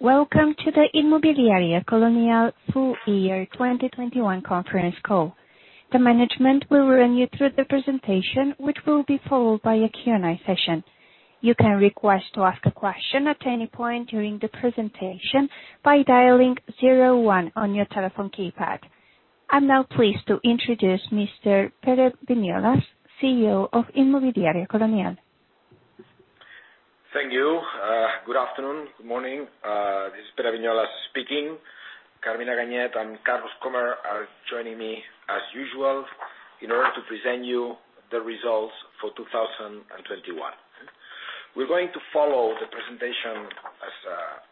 Welcome to the Inmobiliaria Colonial Full Year 2021 conference call. The management will run you through the presentation, which will be followed by a Q&A session. You can request to ask a question at any point during the presentation by dialing zero one on your telephone keypad. I'm now pleased to introduce Mr. Pere Viñolas, CEO of Inmobiliaria Colonial. Thank you. Good afternoon. Good morning. This is Pere Viñolas speaking. Carmina Ganyet and Carlos Krohmer are joining me as usual in order to present you the results for 2021. We're going to follow the presentation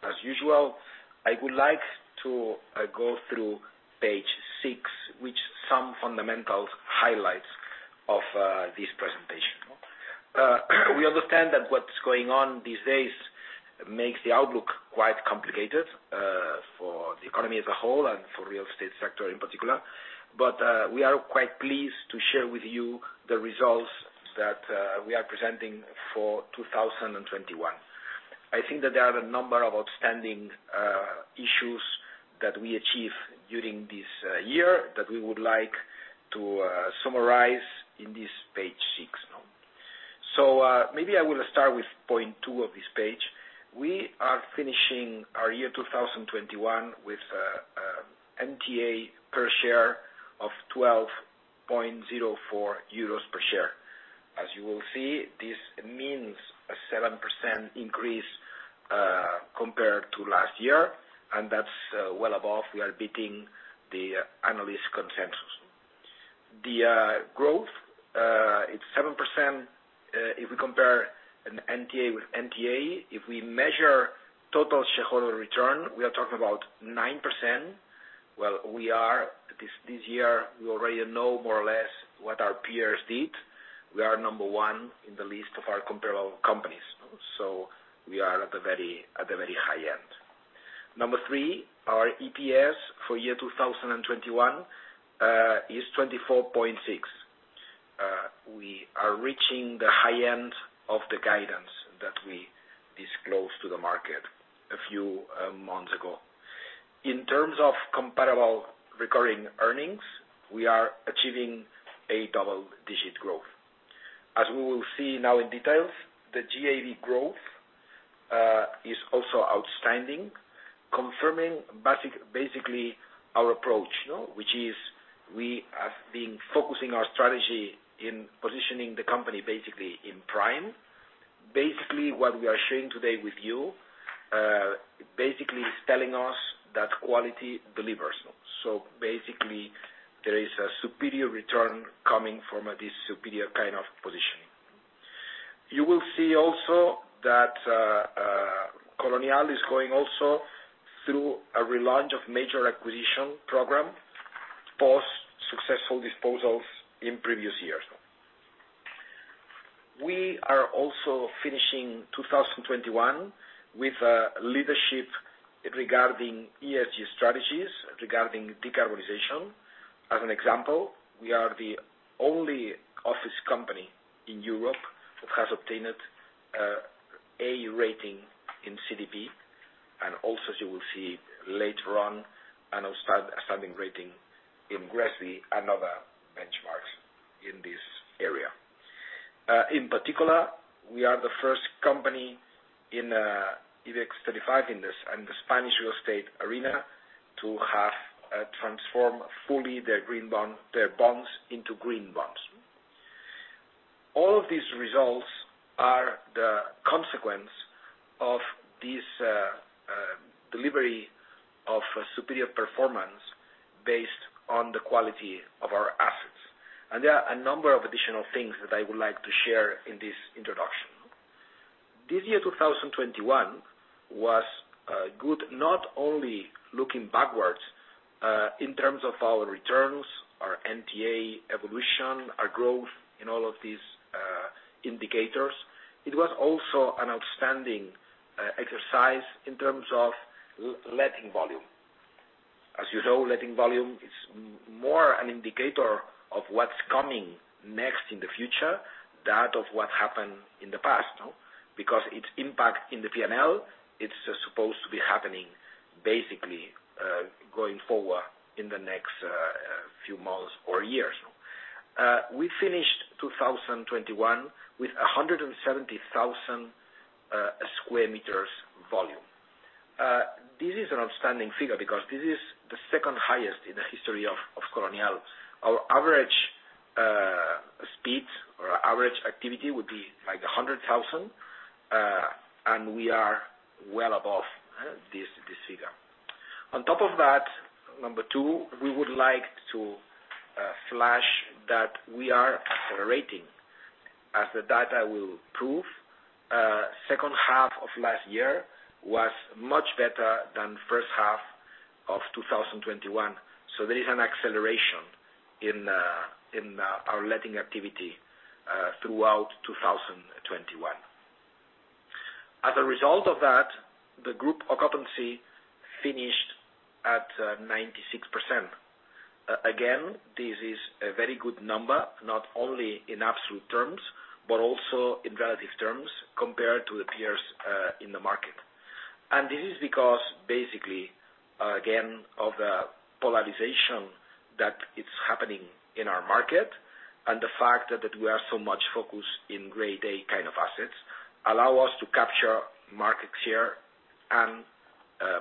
as usual. I would like to go through page six, which some fundamental highlights of this presentation. We understand that what's going on these days makes the outlook quite complicated for the economy as a whole and for real estate sector in particular. We are quite pleased to share with you the results that we are presenting for 2021. I think that there are a number of outstanding issues that we achieve during this year that we would like to summarize in this page six. Maybe I will start with point two of this page. We are finishing our year 2021 with NTA per share of 12.04 euros per share. As you will see, this means a 7% increase compared to last year, and that's well above. We are beating the analyst consensus. The growth is 7% if we compare an NTA with NTA. If we measure total shareholder return, we are talking about 9%. Well, this year we already know more or less what our peers did. We are number one in the list of our comparable companies. We are at the very high end. Number three, our EPS for year 2021 is 24.6. We are reaching the high end of the guidance that we disclosed to the market a few months ago. In terms of comparable recurring earnings, we are achieving a double-digit growth. As we will see now in details, the GAV growth is also outstanding, confirming basically our approach, you know. Which is we have been focusing our strategy in positioning the company basically in prime. Basically, what we are sharing today with you basically is telling us that quality delivers. Basically, there is a superior return coming from this superior kind of position. You will see also that Colonial is growing also through a relaunch of major acquisition program, post successful disposals in previous years. We are also finishing 2021 with leadership regarding ESG strategies, regarding decarbonization. As an example, we are the only office company in Europe that has obtained A rating in CDP. Also, you will see later on an outstanding rating in GRESB, another benchmarks in this area. In particular, we are the first company in IBEX 35 in the and the Spanish real estate arena to have transformed fully their green bond, their bonds into green bonds. All of these results are the consequence of this delivery of superior performance based on the quality of our assets. There are a number of additional things that I would like to share in this introduction. This year, 2021 was good, not only looking backwards in terms of our returns, our NTA evolution, our growth in all of these indicators. It was also an outstanding exercise in terms of letting volume. As you know, letting volume is more an indicator of what's coming next in the future than of what happened in the past. Because its impact in the P&L, it's supposed to be happening basically going forward in the next few months or years. We finished 2021 with 170,000 sq m volume. This is an outstanding figure because this is the second highest in the history of Colonial. Our average speed or average activity would be like 100,000 and we are well above this figure. On top of that, number two, we would like to flash that we are accelerating. As the data will prove, second half of last year was much better than first half of 2021. There is an acceleration in our letting activity throughout 2021. As a result of that, the Group occupancy finished 96%. Again, this is a very good number, not only in absolute terms, but also in relative terms compared to the peers in the market. This is because basically, again, of the polarization that it's happening in our market and the fact that we are so much focused in Grade A kind of assets, allow us to capture market share and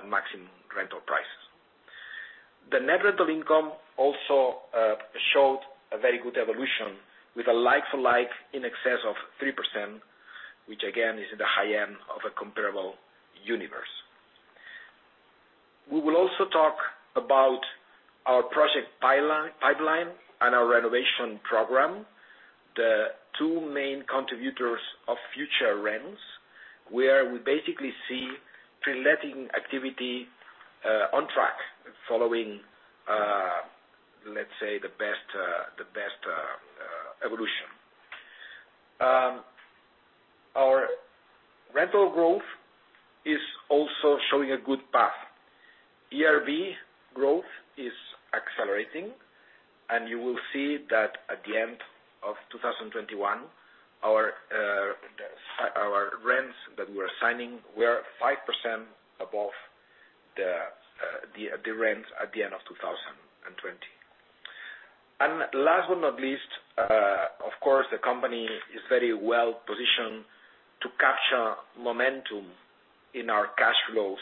maximum rental prices. The net rental income also showed a very good evolution with a like-for-like in excess of 3%, which again, is in the high end of a comparable universe. We will also talk about our project pipeline and our renovation program, the two main contributors of future rents, where we basically see letting activity on track following, let's say, the best evolution. Our rental growth is also showing a good path. ERV growth is accelerating, and you will see that at the end of 2021, our rents that we're signing were 5% above the rents at the end of 2020. Last but not least, of course, the company is very well-positioned to capture momentum in our cash flows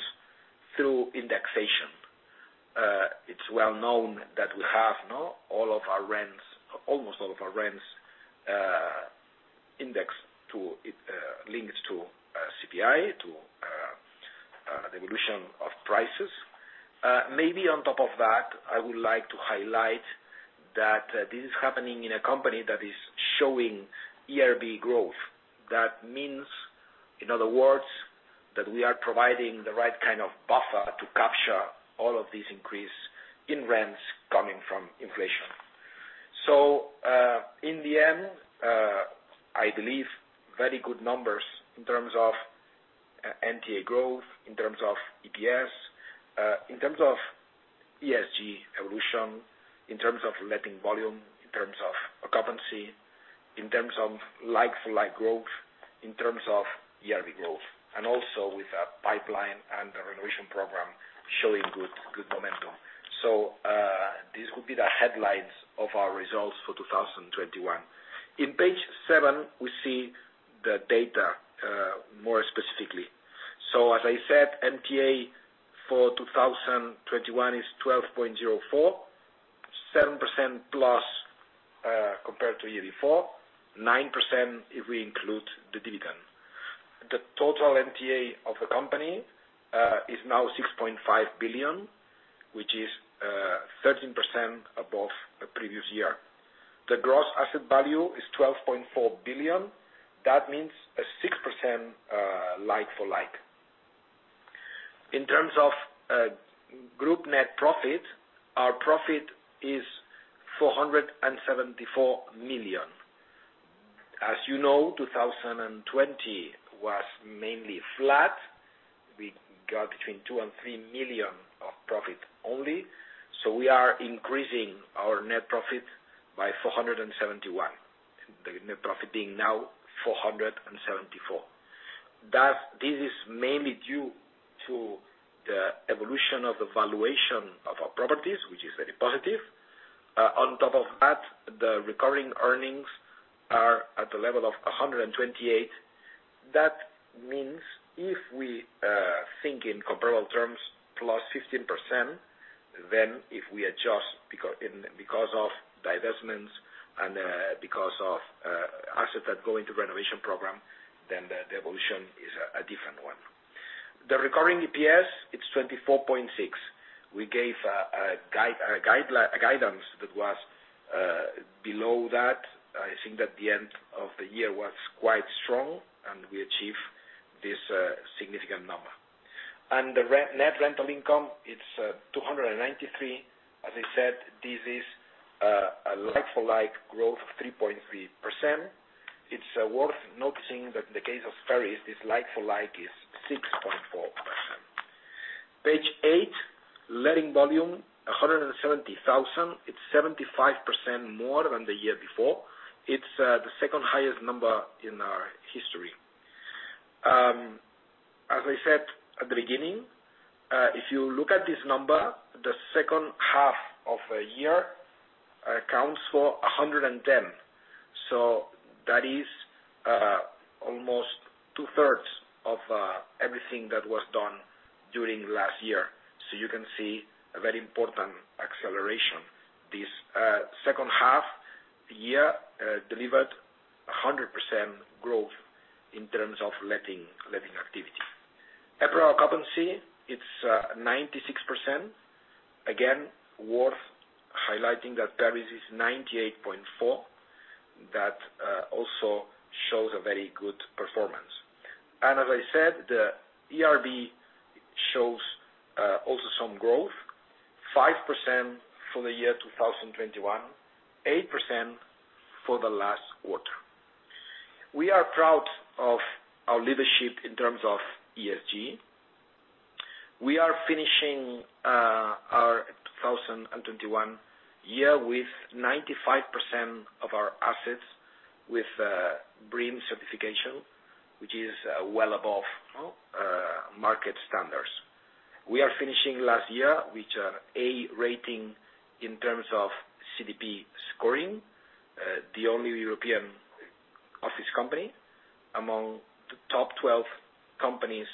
through indexation. It's well known that almost all of our rents are indexed to, linked to, CPI, to the evolution of prices. Maybe on top of that, I would like to highlight that this is happening in a company that is showing ERV growth. That means, in other words, that we are providing the right kind of buffer to capture all of this increase in rents coming from inflation. In the end, I believe very good numbers in terms of NTA growth, in terms of EPS, in terms of ESG evolution, in terms of letting volume, in terms of occupancy, in terms of like-for-like growth, in terms of ERV growth, and also with the pipeline and the renovation program showing good momentum. This could be the headlines of our results for 2021. On page seven, we see the data more specifically. As I said, NTA for 2021 is 12.047% +, compared to year before, 9% if we include the dividend. The total NTA of the company is now 6.5 billion, which is 13% above the previous year. The gross asset value is 12.4 billion. That means a 6% like for like. In terms of group net profit, our profit is 474 million. As you know, 2020 was mainly flat. We got between 2 million and 3 million of profit only. We are increasing our net profit by 471 million. The net profit being now 474 million. This is mainly due to the evolution of the valuation of our properties, which is very positive. On top of that, the recurring earnings are at the level of 128. That means if we think in comparable terms, +15%, then if we adjust because of divestments and because of assets that go into renovation program, then the evolution is a different one. The recurring EPS, it's 24.6. We gave a guidance that was below that. I think that the end of the year was quite strong and we achieved this significant number. Net rental income, it's 293. As I said, this is a like for like growth of 3.3%. It's worth noticing that in the case of Paris, this like for like is 6.4%. Page eight, letting volume, 170,000. It's 75% more than the year before. It's the second highest number in our history. As I said at the beginning, if you look at this number, the second half of the year accounts for 110. That is almost 2/3 of everything that was done during last year. You can see a very important acceleration. This second half of the year delivered 100% growth in terms of letting activity. Overall occupancy, it's 96%. Again, worth highlighting that Paris is 98.4%. That also shows a very good performance. As I said, the ERV shows also some growth, 5% for the year 2021, 8% for the last quarter. We are proud of our leadership in terms of ESG. We are finishing our 2021 year with 95% of our assets with BREEAM certification, which is well above market standards. We are finishing last year with A rating in terms of CDP scoring. The only European office company among the top 12 companies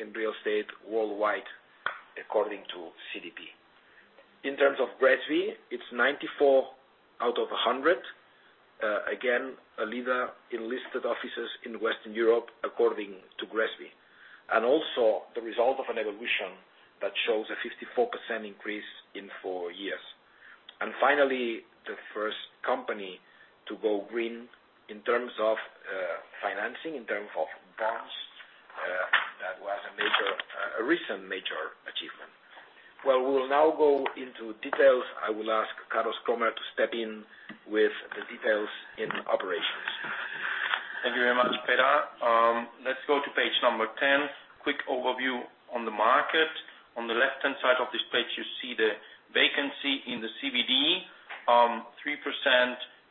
in real estate worldwide according to CDP. In terms of GRESB, it's 94 out of 100. Again, a leader in listed offices in Western Europe according to GRESB. Also, the result of an evolution that shows a 54% increase in four years. Finally, the first company to go green in terms of financing, in terms of bonds, that was a recent major achievement. Well, we will now go into details. I will ask Carlos Krohmer to step in with the details in operations. Thank you very much, Pere. Let's go to page 10. Quick overview on the market. On the left-hand side of this page, you see the vacancy in the CBD. 3%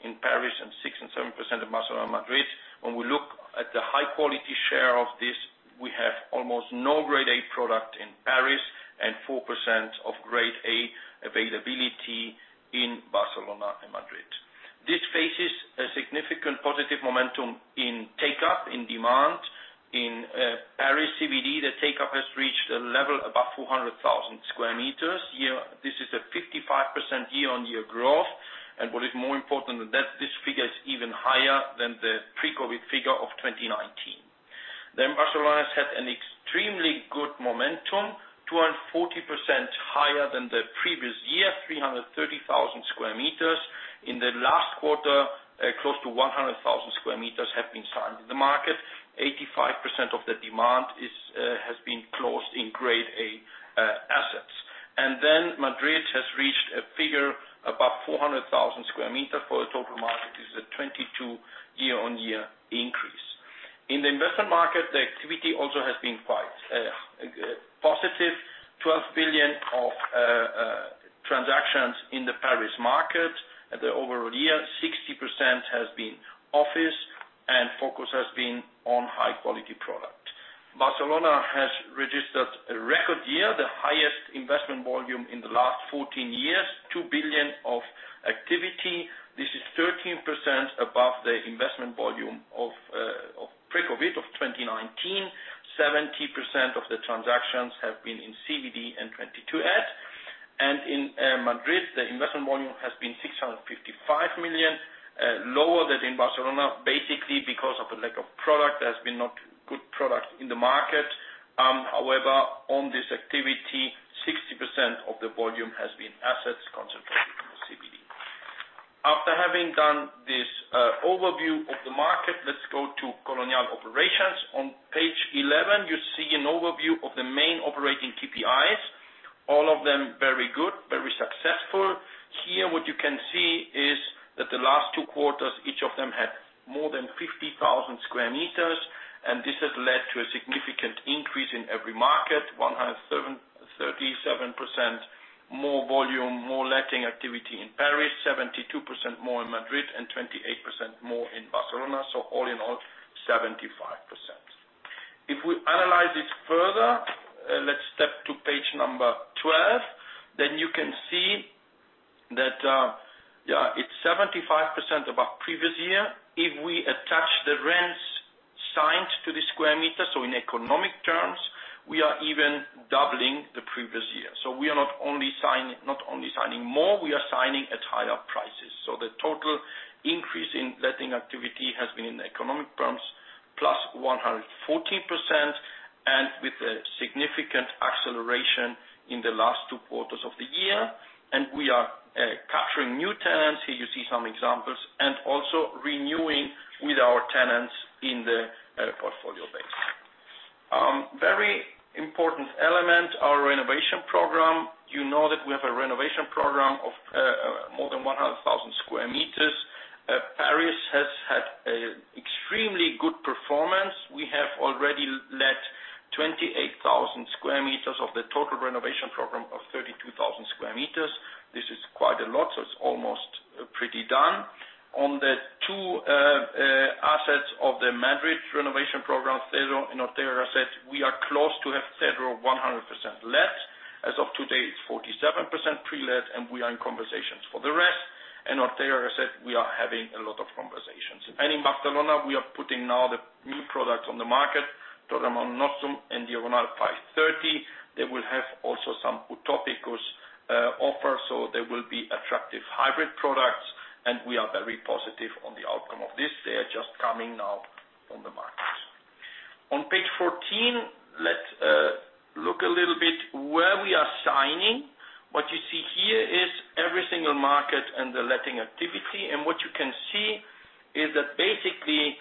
in Paris, and 6% and 7% in Barcelona and Madrid. When we look at the high-quality share of this, we have almost no grade A product in Paris and 4% of grade A availability in Barcelona and Madrid. This faces a significant positive momentum in take-up, in demand. In Paris CBD, the take-up has reached a level above 400,000 sq m. Here, this is a 55% year-on-year growth. What is more important than that, this figure is even higher than the pre-COVID figure of 2019. Barcelona's had an extremely good momentum, 240% higher than the previous year, 330,000 sq m. In the last quarter, close to 100,000 sq m have been signed. The market, 85% of the demand has been closed in grade A assets. Madrid has reached a figure above 400,000 sq m for the total market. This is a 22% year-on-year increase. In the investment market, the activity also has been quite positive. 12 billion of transactions in the Paris market. For the overall year, 60% has been office, and focus has been on high-quality product. Barcelona has registered a record year, the highest investment volume in the last 14 years. 2 billion of activity. This is 13% above the investment volume of pre-COVID, of 2019. 70% of the transactions have been in CBD and 22@. In Madrid, the investment volume has been 655 million. Lower than in Barcelona, basically because of the lack of product. There has not been good product in the market. However, on this activity, 60% of the volume has been assets concentrated in the CBD. After having done this overview of the market, let's go to Colonial operations. On page 11, you see an overview of the main operating KPIs. All of them very good, very successful. Here, what you can see is that the last two quarters, each of them had more than 50,000 sq m, and this has led to a significant increase in every market. 137% more volume, more letting activity in Paris, 72% more in Madrid, and 28% more in Barcelona. All in all, 75%. If we analyze this further, let's step to page 12. You can see that it's 75% above previous year. If we attach the rents signed to the square meters, in economic terms, we are even doubling the previous year. We are not only signing more, we are signing at higher prices. The total increase in letting activity has been, in economic terms, +114%, and with a significant acceleration in the last two quarters of the year. We are capturing new tenants, here you see some examples, and also renewing with our tenants in the portfolio base. Very important element, our renovation program. You know that we have a renovation program of more than 100,000 sq m. Paris has had an extremely good performance. We have already let 28,000 sq m of the total renovation program of 32,000 sq m. This is quite a lot, so it's almost pretty done. On the two assets of the Madrid renovation program, Cedro and Ortega y Gasset, we are close to have Cedro 100% let. As of today, it's 47% pre-let, and we are in conversations for the rest. Ortega y Gasset, we are having a lot of conversations. In Barcelona, we are putting now the new product on the market, [inaudible] and Diagonal 530. They will have also some Utopicus offering, so they will be attractive hybrid products, and we are very positive on the outcome of this. They are just coming now on the market. On page 14, let's look a little bit where we are signing. What you see here is every single market and the letting activity. What you can see is that basically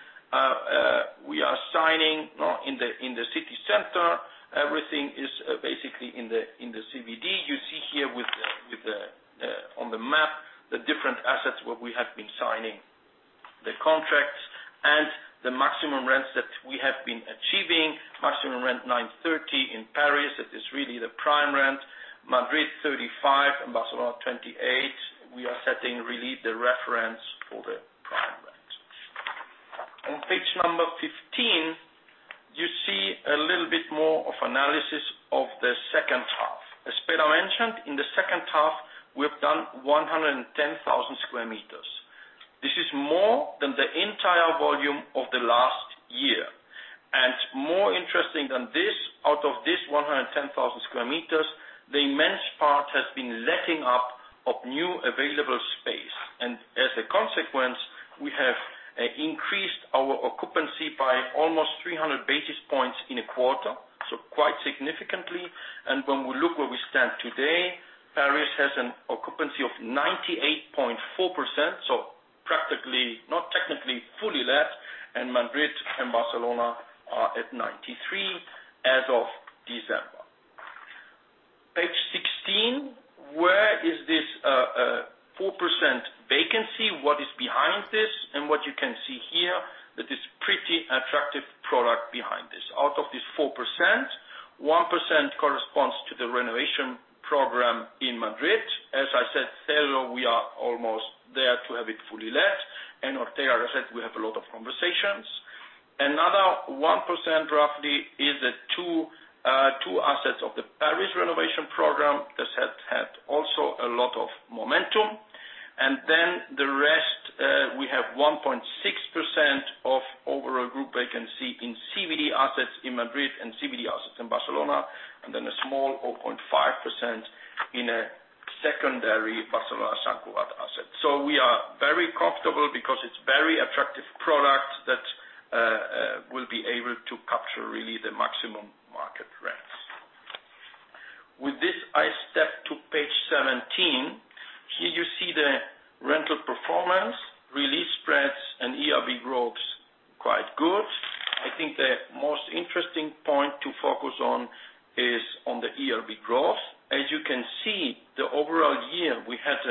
we are signing in the city center. Everything is basically in the CBD. You see here on the map the different assets where we have been signing the contracts and the maximum rents that we have been achieving. Maximum rent 9.30 in Paris. That is really the prime rent. Madrid, 35. In Barcelona, 28. We are setting really the reference for the prime rent. On page 15, you see a little bit more of analysis of the second half. As Pere mentioned, in the second half, we have done 110,000 sq m. This is more than the entire volume of the last year. More interesting than this, out of this 110,000 sq m, the immense part has been letting up of new available space. As a consequence, we have increased our occupancy by almost 300 basis points in a quarter, so quite significantly. When we look where we stand today, Paris has an occupancy of 98.4%, so practically, not technically, fully let. Madrid and Barcelona are at 93% as of December. Page 16, where is this 4% vacancy? What is behind this? What you can see here, that is pretty attractive product behind this. Out of this 4%, 1% corresponds to the renovation program in Madrid. As I said, Cedro, we are almost there to have it fully let. Ortega y Gasset said we have a lot of conversations. Another 1% roughly is the two assets of the Paris renovation program. This has had also a lot of momentum. The rest, we have 1.6% of overall group vacancy in CBD assets in Madrid and CBD assets in Barcelona, and then a small 0.5% in a secondary Barcelona Sagrera asset. We are very comfortable because it's very attractive product that will be able to capture really the maximum market rents. With this, I step to page 17. Here you see the rental performance, release spreads and ERV growths quite good. I think the most interesting point to focus on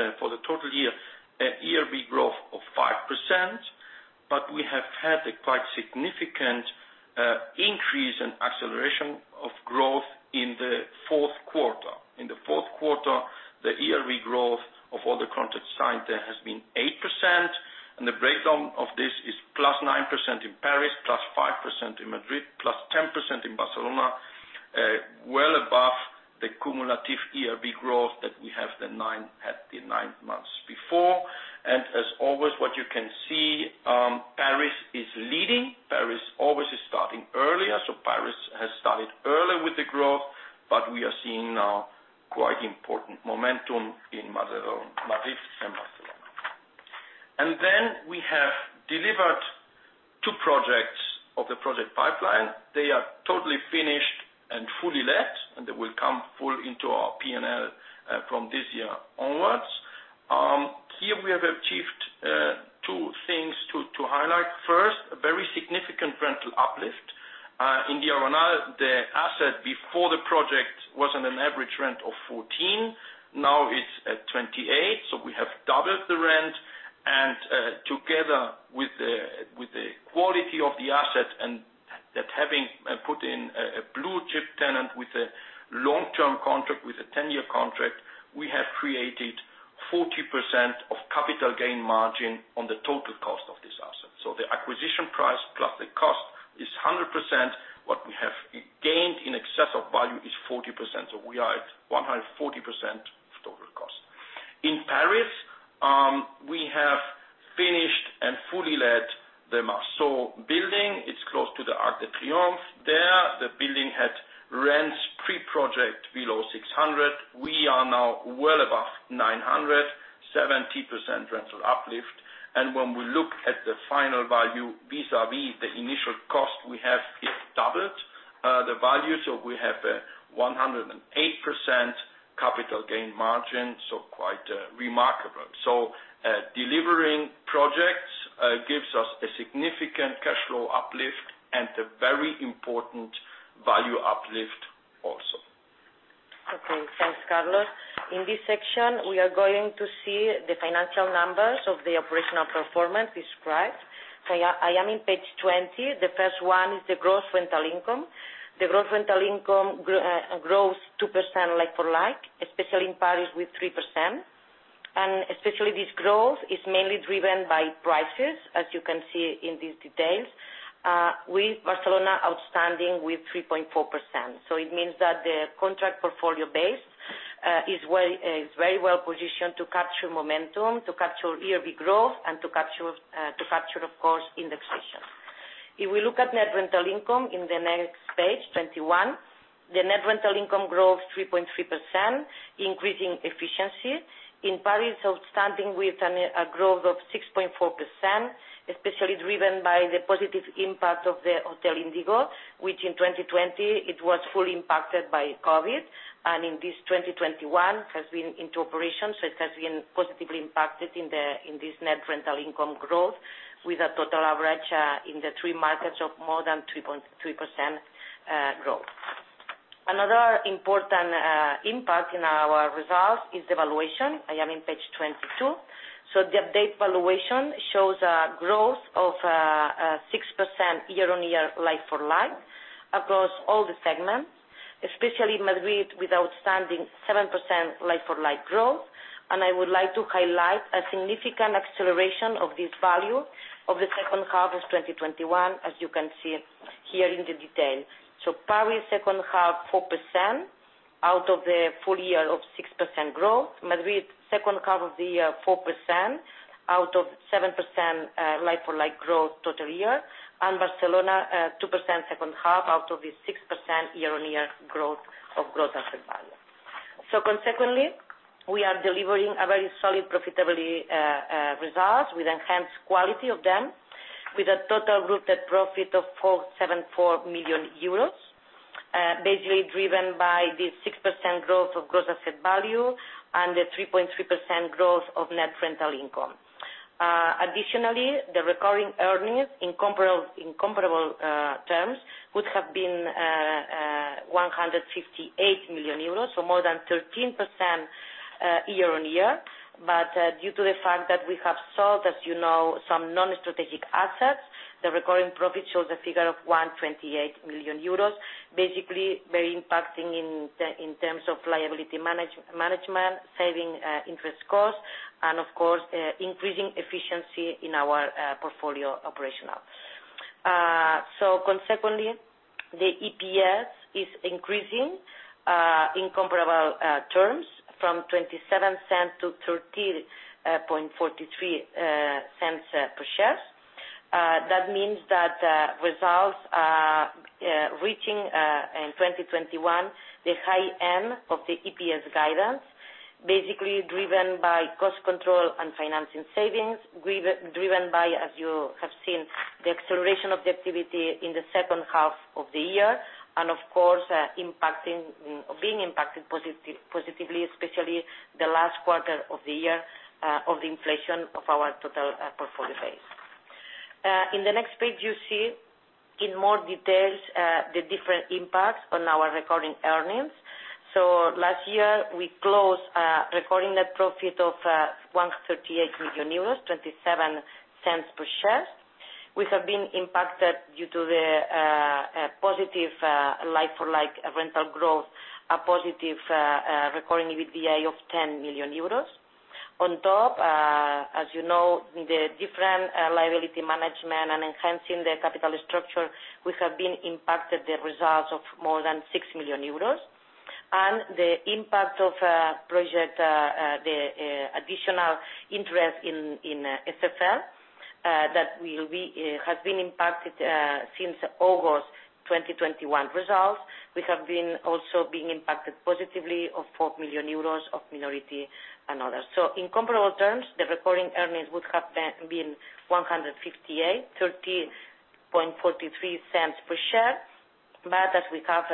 is on the ERV growth. As you can see, the overall year, we had, for the total year a ERV growth of 5%, but we have had a quite significant, increase in acceleration of growth in the fourth quarter. In the fourth quarter, the ERV growth of all the contracts signed there has been 8%, and the breakdown of this is +9% in Paris, +5% in Madrid, +10% in Barcelona, well above the cumulative ERV growth that we have the nine months before. As always, what you can see, Paris is leading. Paris always is starting earlier, so Paris has started earlier with the growth, but we are seeing now quite important momentum in Madrid and Barcelona. Then we have delivered two projects of the project pipeline. They are totally finished and fully let, and they will come full into our P&L from this year onwards. Here we have achieved two things to highlight. First, a very significant rental uplift. In the Arenal, the asset before the project was on an average rent of 14. Now it's at 28, so we have doubled the rent. Together with the quality of the asset and that having put in a blue chip tenant with a long-term contract, with a 10-year contract, we have created 40% of capital gain margin on the total cost of this asset. The acquisition price plus the cost is 100%. What we have gained in excess of value is 40%, so we are at 140% of total cost. In Paris, we have finished and fully let the Marceau building. It's close to the Arc de Triomphe. There, the building had rents pre-project below 600. We are now well above 900, 70% rental uplift. When we look at the final value vis-à-vis the initial cost, we have doubled the value. We have a 108% capital gain margin, so quite remarkable. Delivering projects gives us a significant cash flow uplift and a very important value uplift also. Okay. Thanks, Carlos. In this section, we are going to see the financial numbers of the operational performance described. I am on page 20. The first one is the gross rental income. The gross rental income grows 2% like for like, especially in Paris with 3%. Especially this growth is mainly driven by prices, as you can see in these details, with Barcelona outstanding with 3.4%. It means that the contract portfolio base is very well positioned to capture momentum, to capture ERV growth and to capture, of course, indexation. If we look at net rental income in the next page, 21, the net rental income grows 3.3%, increasing efficiency. In Paris, outstanding with a growth of 6.4%, especially driven by the positive impact of the Hotel Indigo, which in 2020 it was fully impacted by COVID. In this 2021 has been into operation, so it has been positively impacted in the, in this net rental income growth with a total average in the three markets of more than 3.3% growth. Another important impact in our results is the valuation. I am in page 22. The update valuation shows a growth of 6% year-on-year like-for-like across all the segments, especially Madrid with outstanding 7% like-for-like growth. I would like to highlight a significant acceleration of this value of the second half of 2021, as you can see here in the detail. Paris second half 4% out of the full year of 6% growth. Madrid, second half of the year, 4% out of 7%, like-for-like growth total year. Barcelona, 2% second half out of the 6% year-on-year growth of gross asset value. Consequently, we are delivering a very solid profitability result with enhanced quality of them, with a total group net profit of 474 million euros. Basically driven by the 6% growth of gross asset value and the 3.3% growth of net rental income. Additionally, the recurring earnings in comparable terms would have been 158 million euros, so more than 13% year-on-year. Due to the fact that we have sold, as you know, some non-strategic assets, the recurring profit shows a figure of 128 million euros, basically very impacting in terms of liability management, saving interest costs and of course, increasing efficiency in our portfolio operational. Consequently, the EPS is increasing in comparable terms from 0.27-0.3043 per share. That means that results are reaching in 2021 the high end of the EPS guidance, basically driven by cost control and financing savings, as you have seen, the acceleration of the activity in the second half of the year and of course, being impacted positively, especially the last quarter of the year, of the inflation of our total portfolio base. In the next page, you see in more details the different impacts on our recurring earnings. Last year we closed recurring net profit of 138 million euros, 0.27 per share. We have been impacted due to the positive like-for-like rental growth, a positive recurring EBITDA of 10 million euros. On top, as you know, the different liability management and enhancing the capital structure, we have been impacted the results of more than 6 million euros. The impact of project the additional interest in SFL that will be has been impacted since August 2021 results. We have been also being impacted positively of 4 million euros of minority and others. In comparable terms, the recurring earnings would have been 1.583043 per share. As we have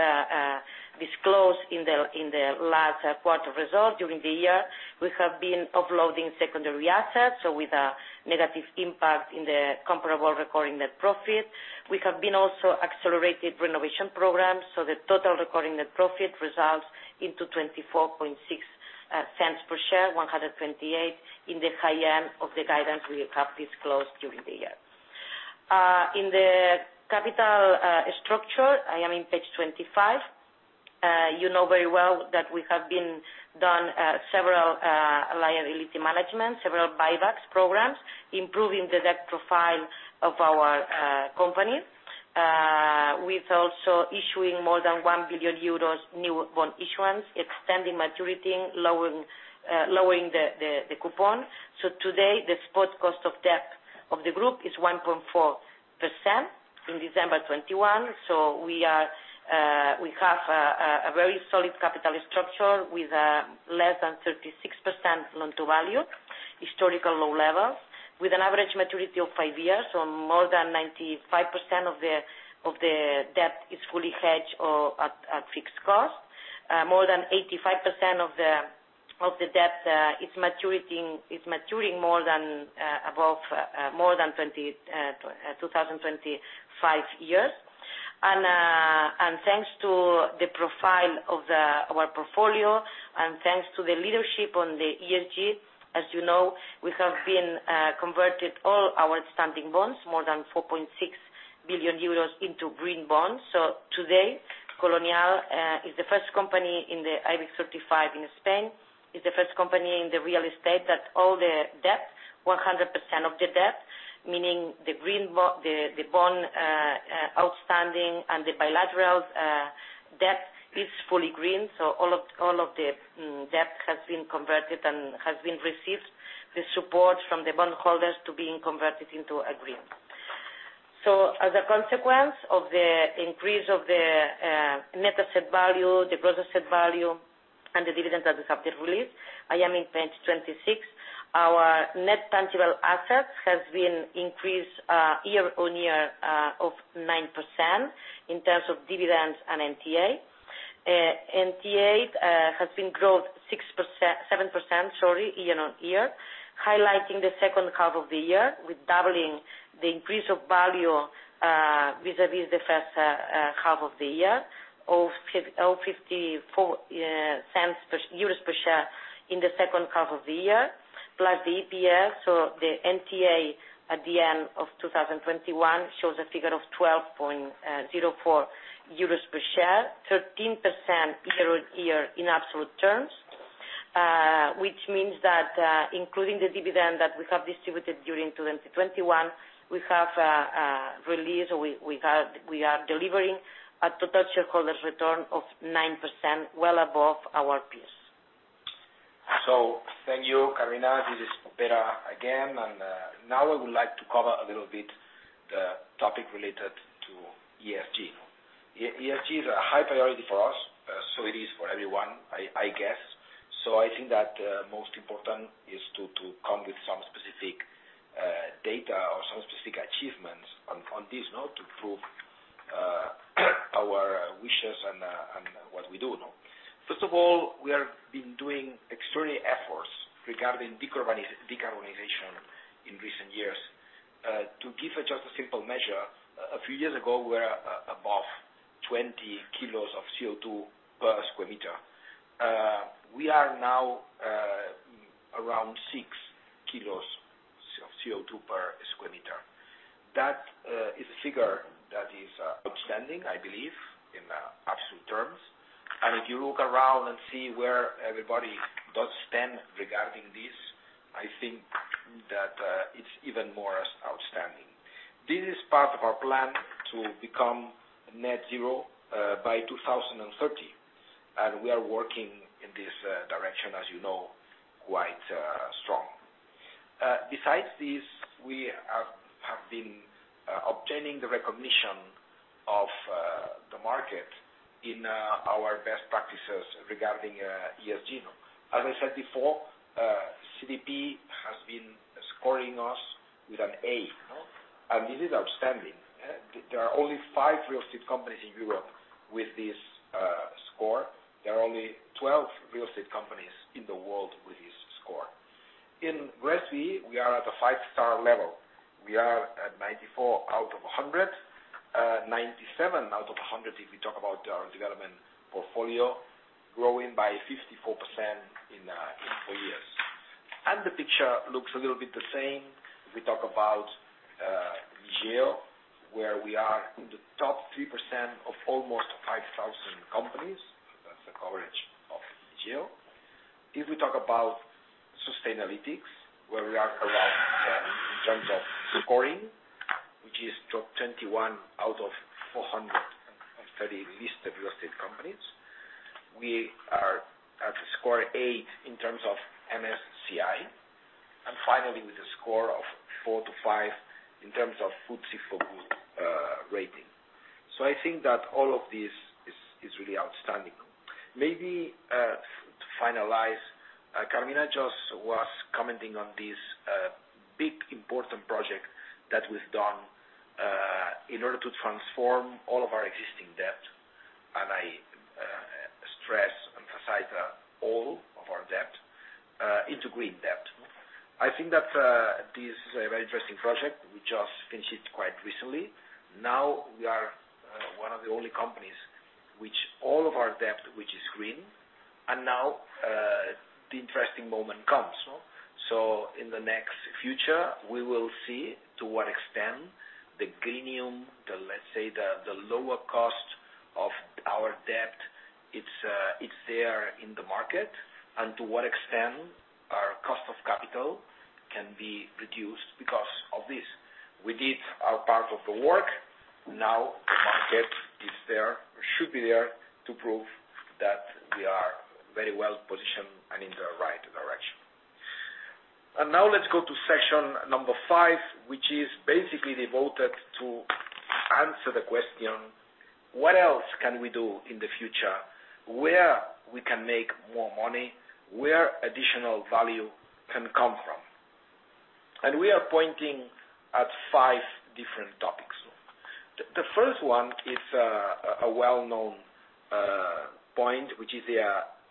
disclosed in the last quarter results during the year, we have been offloading secondary assets, so with a negative impact in the comparable recurring net profit. We have also accelerated renovation programs, so the total recurring net profit results into 0.246 per share, 128% in the high end of the guidance we have disclosed during the year. In the capital structure, I am on page 25. You know very well that we have done several liability management, several buybacks programs, improving the debt profile of our company. with also issuing more than 1 billion euros new bond issuance, extending maturity, lowering the coupon. Today the spot cost of debt of the group is 1.4% from December 2021. We have a very solid capital structure with less than 36% loan to value, historical low levels with an average maturity of five years on more than 95% of the debt is fully hedged or at fixed cost. More than 85% of the debt is maturing more than 2025. Thanks to the profile of our portfolio and thanks to the leadership on the ESG, as you know, we have been converted all our outstanding bonds, more than 4.6 billion euros into green bonds. Today, Colonial is the first company in the IBEX 35 in Spain, is the first company in the real estate that all the debt, 100% of the debt, meaning the bond outstanding and the bilateral debt is fully green. All of the debt has been converted and has been received the support from the bondholders to being converted into a green. As a consequence of the increase of the net asset value, the gross asset value, and the dividends that we have been released, I am in page 26. Our net tangible assets has been increased year-on-year of 9% in terms of dividends and NTA. NTA has been growth 7%, sorry, year-on-year. Highlighting the second half of the year with doubling the increase of value vis-a-vis the first half of the year of EUR 0.54 per share in the second half of the year, plus the EPS. The NTA at the end of 2021 shows a figure of 12.04 euros per share, 13% year-over-year in absolute terms. Which means that, including the dividend that we have distributed during 2021, we have released or we are delivering a total shareholders' return of 9%, well above our peers. Thank you, Carmina. This is Pere again. Now I would like to cover a little bit the topic related to ESG. ESG is a high priority for us, so it is for everyone, I guess. I think that most important is to come with some specific data or some specific achievements on this, you know, to prove our wishes and what we do, no? First of all, we have been doing extraordinary efforts regarding decarbonization in recent years. To give just a simple measure, a few years ago, we were above 20 kg of CO2 per sq m. We are now around 6 kg of CO2 per sq m. That is a figure that is outstanding, I believe, in absolute terms. If you look around and see where everybody does stand regarding this, I think that it's even more outstanding. This is part of our plan to become net zero by 2030, and we are working in this direction, as you know, quite strong. Besides this, we have been obtaining the recognition of the market in our best practices regarding ESG. As I said before, CDP has been scoring us with an A, and this is outstanding. There are only five real estate companies in Europe with this score. There are only twelve real estate companies in the world with this score. In GRESB, we are at a five-star level. We are at 94 out of 100, 97 out of 100 if we talk about our development portfolio growing by 54% in four years. The picture looks a little bit the same if we talk about GRESB, where we are in the top 3% of almost 5,000 companies. That's the coverage of GRESB. If we talk about Sustainalytics, where we are around 10 in terms of scoring, which is top 21 out of 430 listed real estate companies. We are at score eight in terms of MSCI, and finally, with a score of four to five in terms of FTSE4Good rating. I think that all of this is really outstanding. Maybe, to finalize, Carmina just was commenting on this big important project that we've done in order to transform all of our existing debt, and I stress, emphasize all of our debt into green debt. I think that this is a very interesting project. We just finished it quite recently. Now we are one of the only companies which all of our debt, which is green. Now, the interesting moment comes, no? In the next future, we will see to what extent the greenium, the, let's say, the lower cost of our debt, it's there in the market and to what extent our cost of capital can be reduced because of this. We did our part of the work. Now the market is there or should be there to prove that we are very well positioned and in the right direction. Now let's go to section number five, which is basically devoted to answer the question, what else can we do in the future? Where we can make more money, where additional value can come from? We are pointing at five different topics. The first one is a well-known point, which is the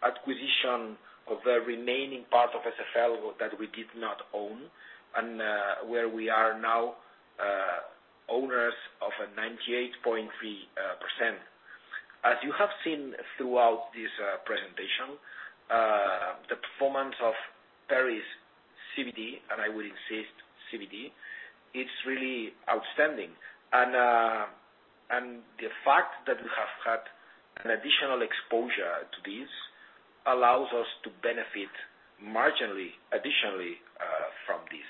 acquisition of the remaining part of SFL that we did not own and where we are now owners of a 98.3%. As you have seen throughout this presentation, the performance of Paris CBD, and I will insist, CBD, it's really outstanding. The fact that we have had an additional exposure to this allows us to benefit marginally, additionally, from this.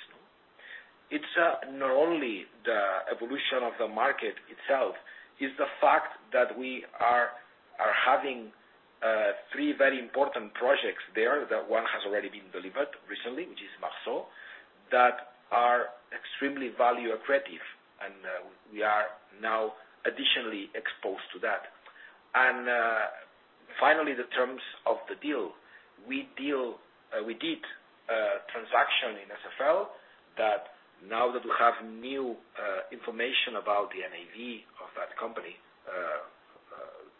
It's not only the evolution of the market itself. It's the fact that we are having three very important projects there. That one has already been delivered recently, which is Marceau, that are extremely value accretive, and we are now additionally exposed to that. Finally, the terms of the deal. We did a transaction in SFL that now that we have new information about the NAV of that company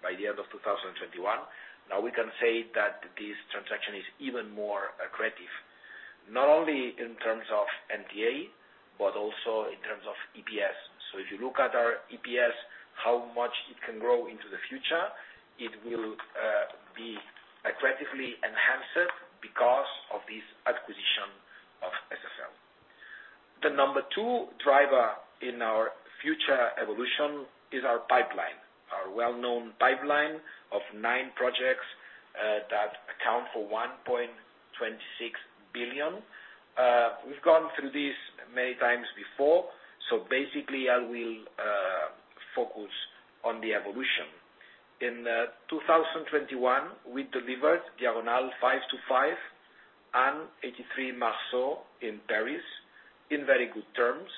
by the end of 2021. Now we can say that this transaction is even more accretive, not only in terms of NAV, but also in terms of EPS. If you look at our EPS, how much it can grow into the future, it will be accretively enhanced because of this acquisition of SFL. The number two driver in our future evolution is our pipeline, our well-known pipeline of nine projects that account for 1.26 billion. We've gone through this many times before, so basically I will focus on the evolution. In 2021, we delivered Diagonal 525 and 83 Marceau in Paris in very good terms,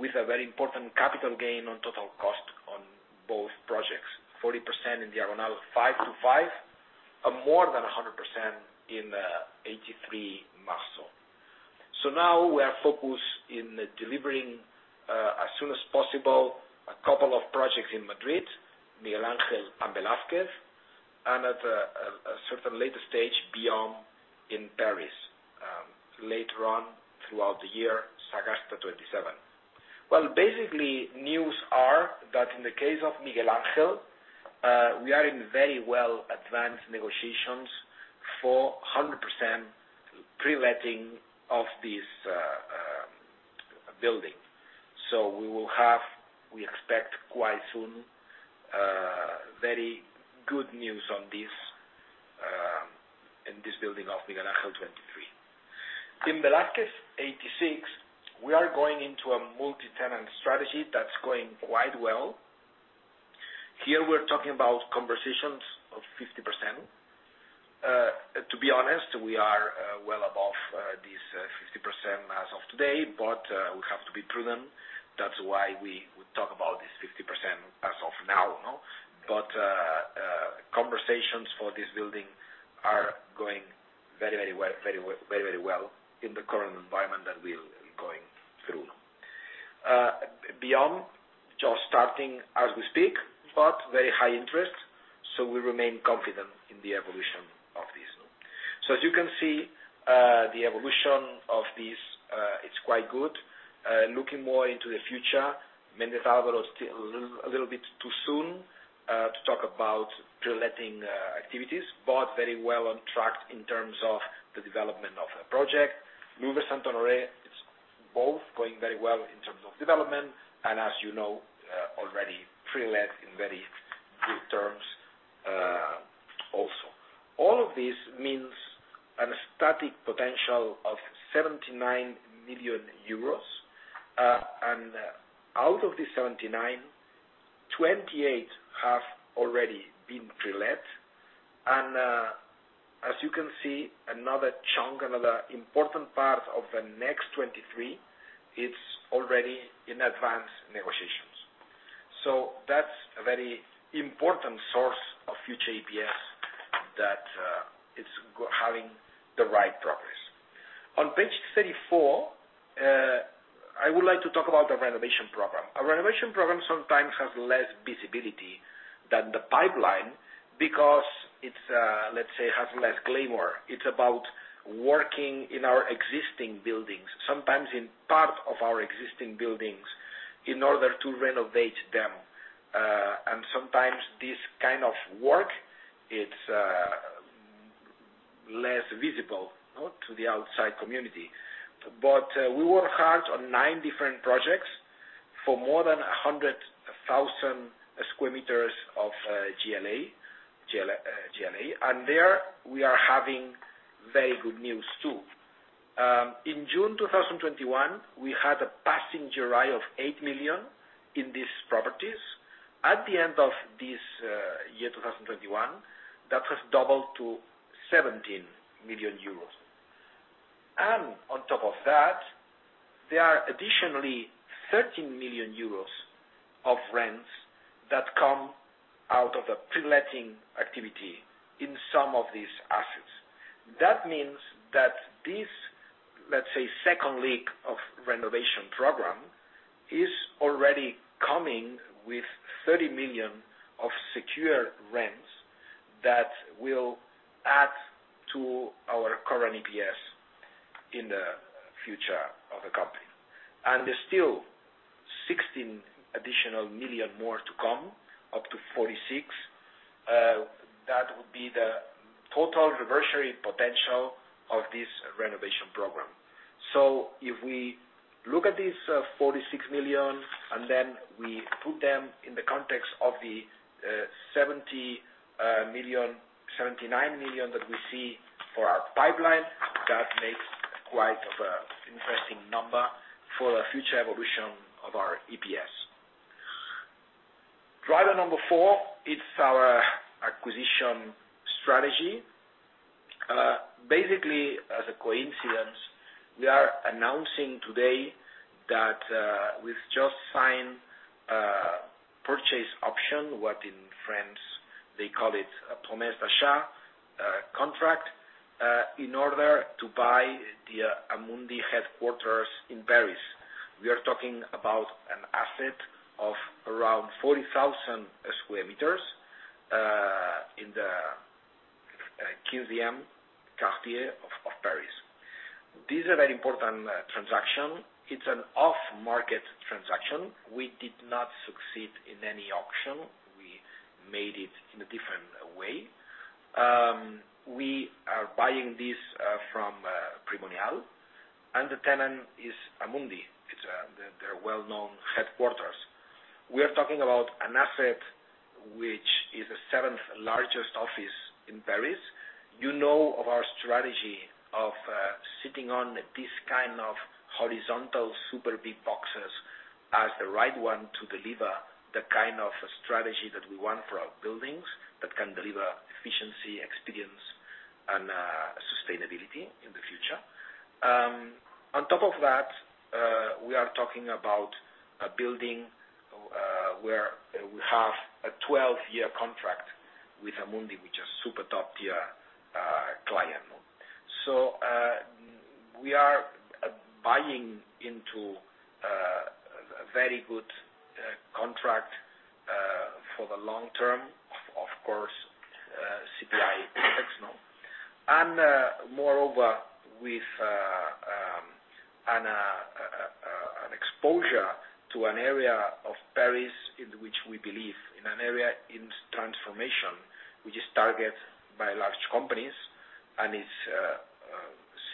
with a very important capital gain on total cost on both projects. 40% in Diagonal 525, and more than 100% in 83 Marceau. Now we are focused in delivering as soon as possible a couple of projects in Madrid, Miguel Ángel and Velázquez, and at a certain later stage Biome in Paris. Later on throughout the year, Sagasta 27. Well, basically, news are that in the case of Miguel Ángel we are in very well advanced negotiations for 100% pre-letting of this building. We expect quite soon very good news on this in this building of Miguel Ángel 23. In Velázquez 86, we are going into a multi-tenant strategy that's going quite well. Here we're talking about conversations of 50%. To be honest, we are well above this 50% as of today, but we have to be prudent. That's why we would talk about this 50% as of now, no? Conversations for this building are going very, very well in the current environment that we're going through. Biome just starting as we speak, but very high interest, so we remain confident in the evolution of this. As you can see, the evolution of this, it's quite good. Looking more into the future, Méndez Álvaro is still a little bit too soon to talk about pre-letting activities, but very well on track in terms of the development of the project. Louvre Saint-Honoré is both going very well in terms of development and as you know, already pre-let in very good terms, also. All of this means a significant potential of 79 million euros. Out of the 79 million, 28 million have already been pre-let. As you can see, another chunk, another important part of the next 2023, it's already in advanced negotiations. That's a very important source of future EPS that it's gaining the right progress. On page 34, I would like to talk about the renovation program. A renovation program sometimes has less visibility than the pipeline because it's, let's say, has less glamour. It's about working in our existing buildings, sometimes in part of our existing buildings, in order to renovate them. Sometimes this kind of work is less visible to the outside community. We work hard on nine different projects for more than 100,000 sq m of GLA. There we are having very good news, too. In June 2021, we had a passing rent of 8 million in these properties. At the end of this year, 2021, that has doubled to 17 million euros. On top of that, there are additionally 13 million euros of rents that come out of the pre-letting activity in some of these assets. That means that this, let's say, second leg of renovation program is already coming with 30 million of secure rents that will add to our current EPS in the future of the company. There's still 16 million more to come, up to 46 million. That would be the total reversionary potential of this renovation program. If we look at this, 46 million, and then we put them in the context of the 70 million, 79 million that we see for our pipeline, that makes quite an interesting number for the future evolution of our EPS. Driver number four, it's our acquisition strategy. Basically, as a coincidence, we are announcing today that we've just signed a purchase option, what in France they call it a promesse d'achat contract, in order to buy the Amundi headquarters in Paris. We are talking about an asset of around 40,000 sq m in the [inaudible] of Paris. This is a very important transaction. It's an off-market transaction. We did not succeed in any auction. We made it in a different way. We are buying this from Primonial, and the tenant is Amundi. It's their well-known headquarters. We are talking about an asset which is the seventh-largest office in Paris. You know of our strategy of sitting on this kind of horizontal super big boxes as the right one to deliver the kind of strategy that we want for our buildings, that can deliver efficiency, experience and sustainability in the future. On top of that, we are talking about a building where we have a 12-year contract with Amundi, which is super top-tier client. We are buying into very good contract for the long term. Of course, CPI protects now. Moreover, with an exposure to an area of Paris in which we believe. In an area in transformation, which is targeted by large companies, and it's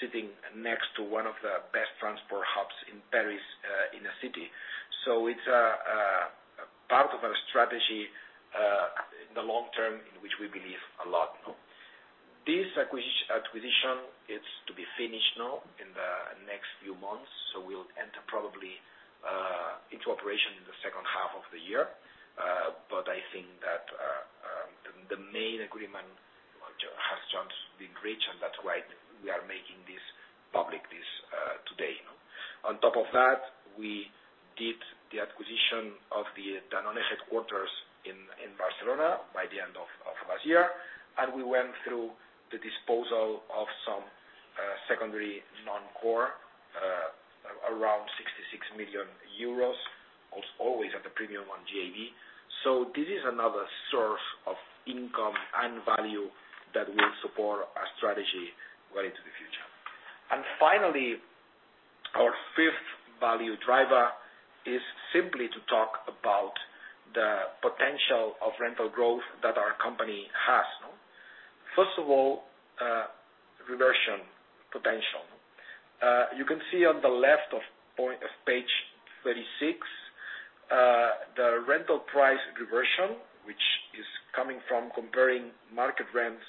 sitting next to one of the best transport hubs in Paris, in the city. It's a part of our strategy in the long term, in which we believe a lot, you know. This acquisition is to be finished now in the next few months, so we'll enter probably into operation in the second half of the year. I think that the main agreement has just been reached, and that's why we are making this public this today, you know. On top of that, we did the acquisition of the Danone headquarters in Barcelona by the end of last year. We went through the disposal of some secondary non-core around 66 million euros, always at the premium on GAV. This is another source of income and value that will support our strategy way into the future. Finally, our fifth value driver is simply to talk about the potential of rental growth that our company has, no? First of all, reversion potential. You can see on the left of page 36, the rental price reversion, which is coming from comparing market rents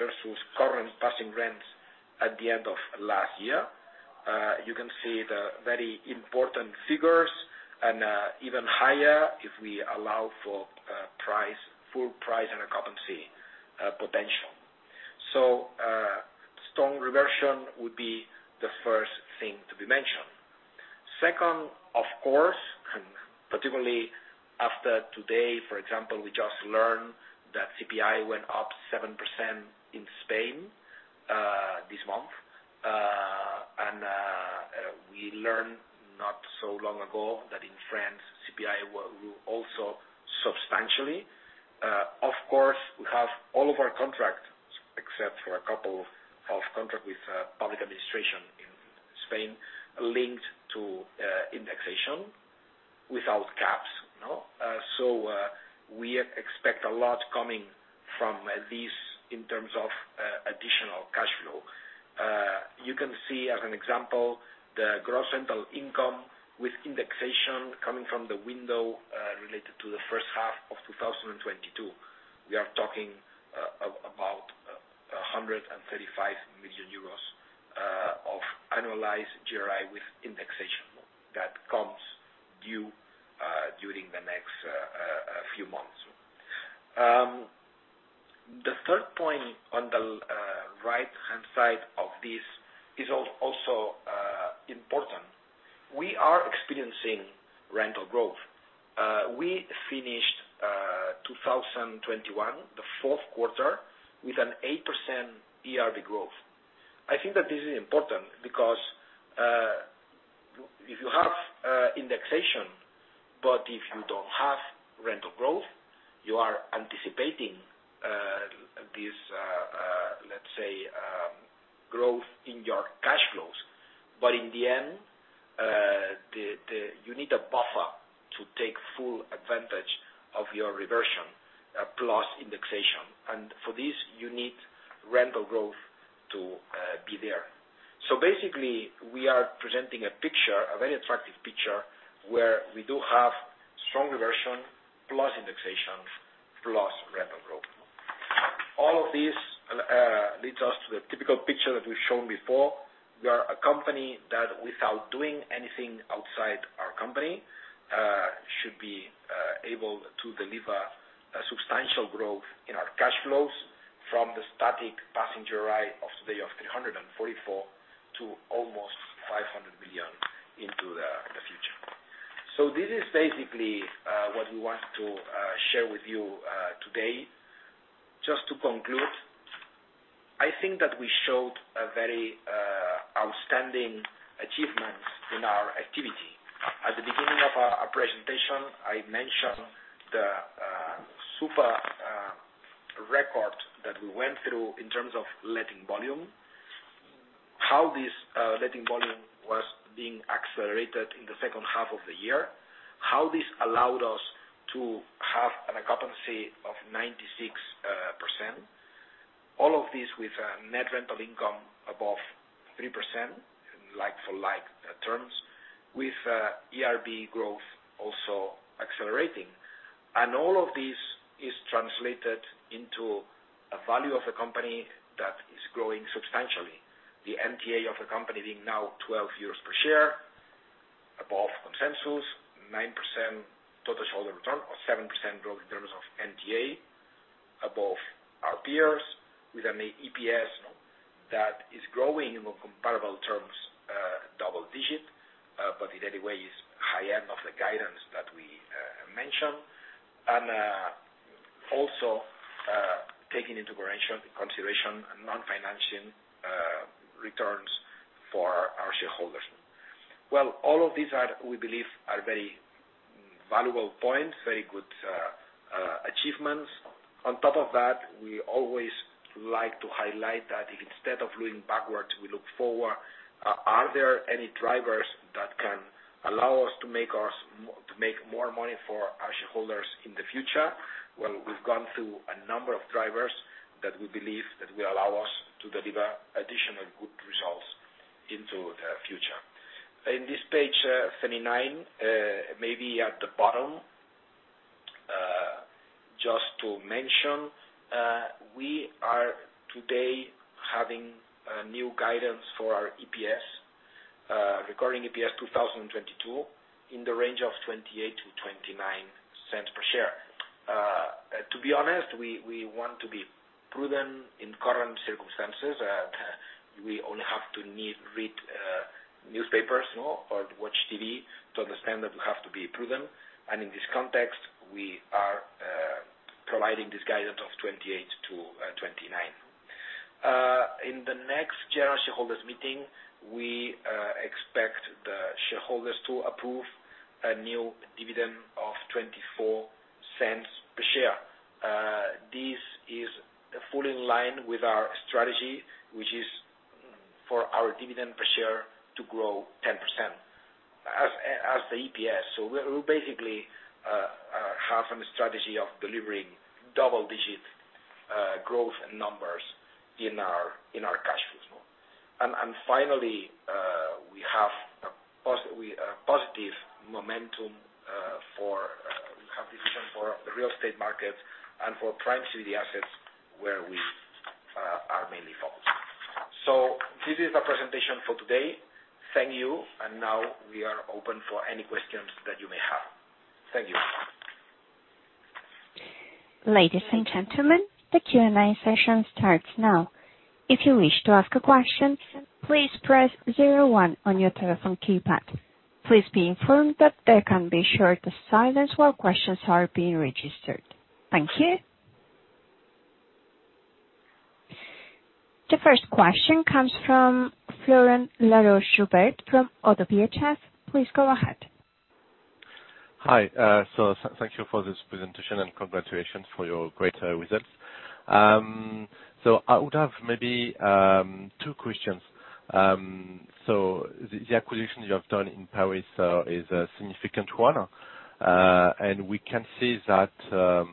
versus current passing rents at the end of last year. You can see the very important figures and, even higher if we allow for full price and occupancy potential. Strong reversion would be the first thing to be mentioned. Second, of course, and particularly after today, for example, we just learned that CPI went up 7% in Spain this month. We learned not so long ago that in France, CPI were also substantially. Of course, we have all of our contracts, except for a couple of contracts with public administration in Spain, linked to indexation without gaps, no. We expect a lot coming from this in terms of additional cash flow. You can see as an example, the gross rental income with indexation coming from the window related to the first half of 2022. We are talking about 135 million euros of annualized GRI with indexation that comes due during the next few months. The third point on the right-hand side of this is also important. We are experiencing rental growth. We finished 2021, the fourth quarter, with an 8% ERV growth. I think that this is important because if you have indexation, but if you don't have rental growth, you are anticipating this, let's say, growth in your cash flows. In the end, you need a buffer to take full advantage of your reversion plus indexation. For this, you need rental growth to be there. Basically, we are presenting a picture, a very attractive picture, where we do have strong reversion, plus indexations, plus rental growth. All of this leads us to the typical picture that we've shown before. We are a company that, without doing anything outside our company, should be able to deliver a substantial growth in our cash flows from the static passing GRI of today of 344 million to almost 500 million into the future. This is basically what we want to share with you today. Just to conclude. I think that we showed a very outstanding achievement in our activity. At the beginning of our presentation, I mentioned the super record that we went through in terms of letting volume. How this letting volume was being accelerated in the second half of the year, how this allowed us to have an occupancy of 96%. All of this with a net rental income above 3% in like for like terms, with ERV growth also accelerating. All of this is translated into a value of the company that is growing substantially. The NTA of the company being now 12 euros per share, above consensus, 9% total shareholder return or 7% growth in terms of NTA above our peers, with an EPS that is growing in more comparable terms, double-digit, but in any way is high end of the guidance that we mentioned. Also taking into consideration non-financial returns for our shareholders. Well, all of these are, we believe, very valuable points, very good achievements. On top of that, we always like to highlight that instead of looking backwards, we look forward. Are there any drivers that can allow us to make more money for our shareholders in the future? Well, we've gone through a number of drivers that we believe that will allow us to deliver additional good results into the future. In this page 39, maybe at the bottom, just to mention, we are today having a new guidance for our EPS, regarding EPS 2022 in the range of 0.28-0.29 per share. To be honest, we want to be prudent in current circumstances. We only have to read newspapers, no? Or watch TV to understand that we have to be prudent. In this context, we are providing this guidance of 0.28-0.29. In the next general shareholders meeting, we expect the shareholders to approve a new dividend of 0.24 per share. This is fully in line with our strategy, which is for our dividend per share to grow 10% as the EPS. We basically have a strategy of delivering double-digit growth numbers in our cash flows. Finally, we have a positive momentum for we have vision for the real estate market and for prime city assets where we are mainly focused. This is the presentation for today. Thank you. Now we are open for any questions that you may have. Thank you. Ladies and gentlemen, the Q&A session starts now. If you wish to ask a question, please press zero one on your telephone keypad. Please be informed that there can be short silence while questions are being registered. Thank you. The first question comes from Florent Laroche-Joubert from ODDO BHF. Please go ahead. Hi. Thank you for this presentation, and congratulations for your great results. I would have maybe two questions. The acquisition you have done in Paris is a significant one. We can see that the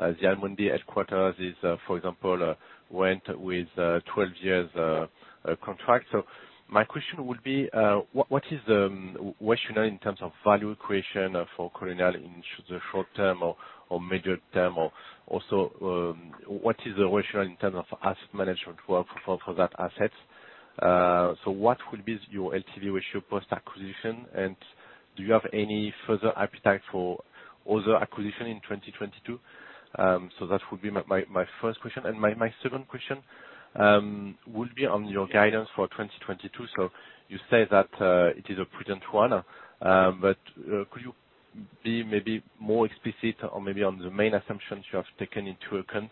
Amundi headquarters is, for example, with 12-year contract. My question would be what is the rationale in terms of value creation for Colonial in the short term or medium term? Or also what is the rationale in terms of asset management work for that asset? What will be your LTV ratio post-acquisition? And do you have any further appetite for other acquisition in 2022? That would be my first question. My second question would be on your guidance for 2022. You say that it is a prudent one. Could you be maybe more explicit or maybe on the main assumptions you have taken into account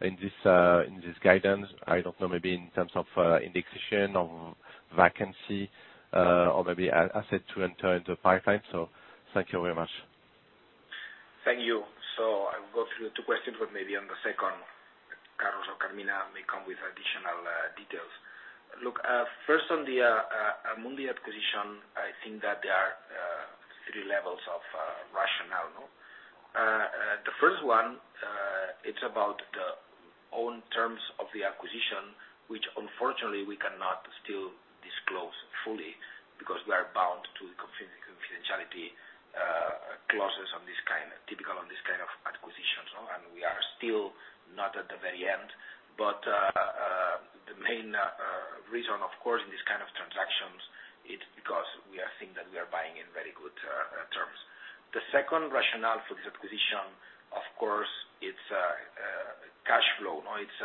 in this guidance? I don't know, maybe in terms of indexation or vacancy, or maybe asset to enter into the pipeline. Thank you very much. Thank you. I'll go through the two questions, but maybe on the second, Carlos or Carmina may come with additional details. Look, first on the Amundi acquisition, I think that there are three levels of rationale, no? The first one, it's about the own terms of the acquisition, which unfortunately we cannot still disclose fully because we are bound to confidentiality clauses. Typical on this kind of acquisitions, no? We are still not at the very end. The main reason of course in this kind of transactions, it's because we are seeing that we are buying in very good terms. The second rationale for this acquisition, of course, it's cash flow, no-- It's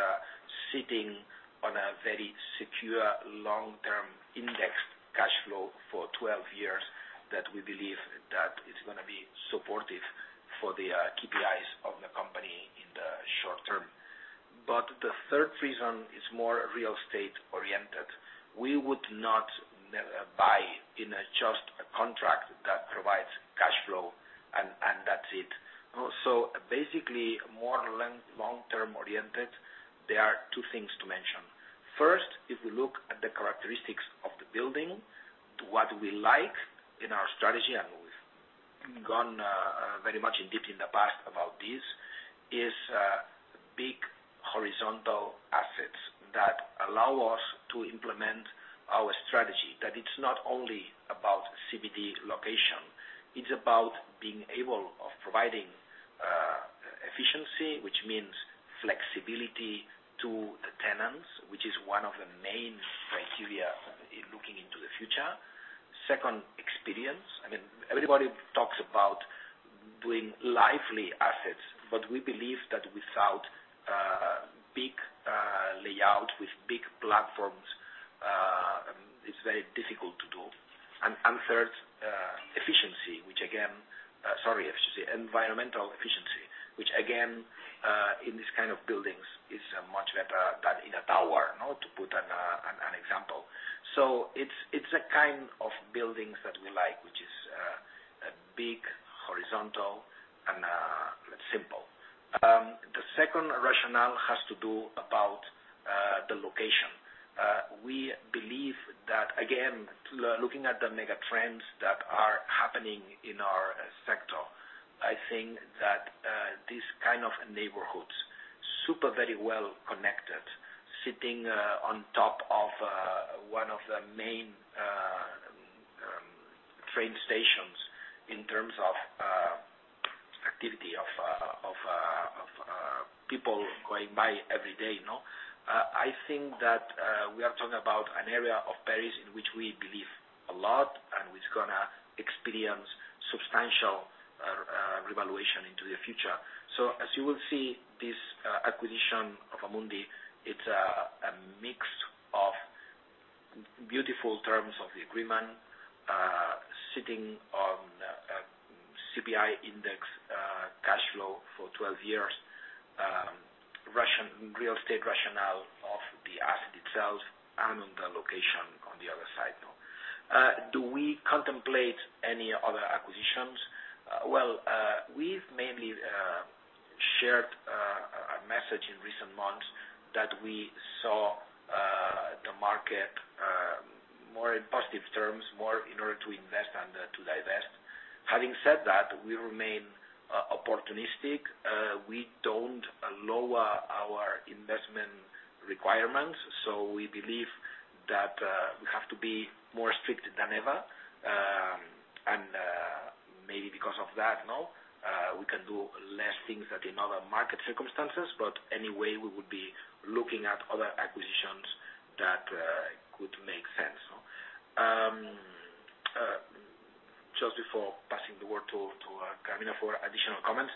sitting on a very secure long-term indexed cash flow for 12 years that we believe that it's gonna be supportive for the KPIs of the company in the short term. The third reason is more real estate oriented. We would not buy in a just a contract that provides cash flow, and that's it. Basically, more long-term oriented, there are two things to mention. First, if we look at the characteristics of the building to what we like in our strategy, and we've gone very much in depth in the past about this, is big horizontal assets that allow us to implement our strategy. That it's not only about CBD location, it's about being able to providing efficiency, which means flexibility to the tenants, which is one of the main criteria in looking into the future. Second, experience. I mean, everybody talks about doing lively assets, but we believe that without big layout with big platforms, it's very difficult to do. Third, efficiency, which again, sorry, I should say environmental efficiency, which again, in this kind of buildings is much better than in a tower, no, to put an example. It's a kind of buildings that we like, which is a big horizontal and simple. The second rationale has to do about the location. We believe that again, looking at the megatrends that are happening in our sector, I think that these kind of neighborhoods super very well connected, sitting on top of one of the main train stations in terms of activity of people going by every day, you know. I think that we are talking about an area of Paris in which we believe a lot and which is gonna experience substantial revaluation in the future. As you will see this acquisition of Amundi, it's a mix of beautiful terms of the agreement, sitting on CPI index, cash flow for 12 years, real estate rationale of the asset itself and on the location on the other side, you know. Do we contemplate any other acquisitions? Well, we've mainly shared a message in recent months that we saw the market more in positive terms, more in order to invest and to divest. Having said that, we remain opportunistic. We don't lower our investment requirements, so we believe that we have to be more strict than ever. Maybe because of that, no, we can do less things than in other market circumstances. Anyway, we would be looking at other acquisitions that could make sense, no. Just before passing the word to Carmina for additional comments.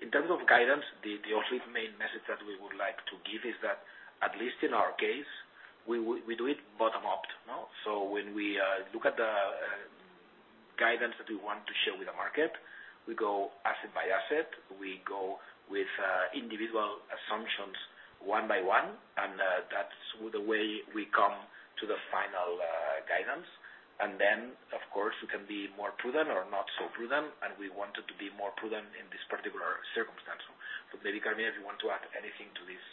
In terms of guidance, the only main message that we would like to give is that, at least in our case, we do it bottom up, no. When we look at the guidance that we want to share with the market, we go asset by asset, we go with individual assumptions one by one, and that's the way we come to the final guidance. Then, of course, we can be more prudent or not so prudent, and we wanted to be more prudent in this particular circumstance. Maybe Carmina if you want to add anything to these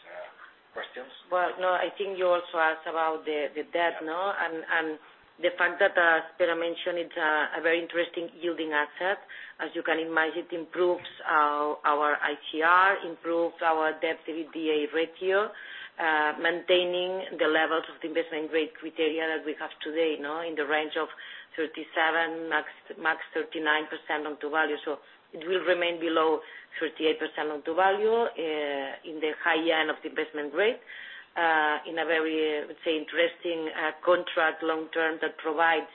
questions. Well, no, I think you also asked about the debt, no, and the fact that, as Pere mentioned, it's a very interesting yielding asset. As you can imagine, it improves our ICR, improves our debt to EBITDA ratio, maintaining the levels of the investment grade criteria that we have today, no, in the range of 37, max 39% on the value. It will remain below 38% on the value, in the high end of the investment grade, in a very, let's say, interesting contract long term that provides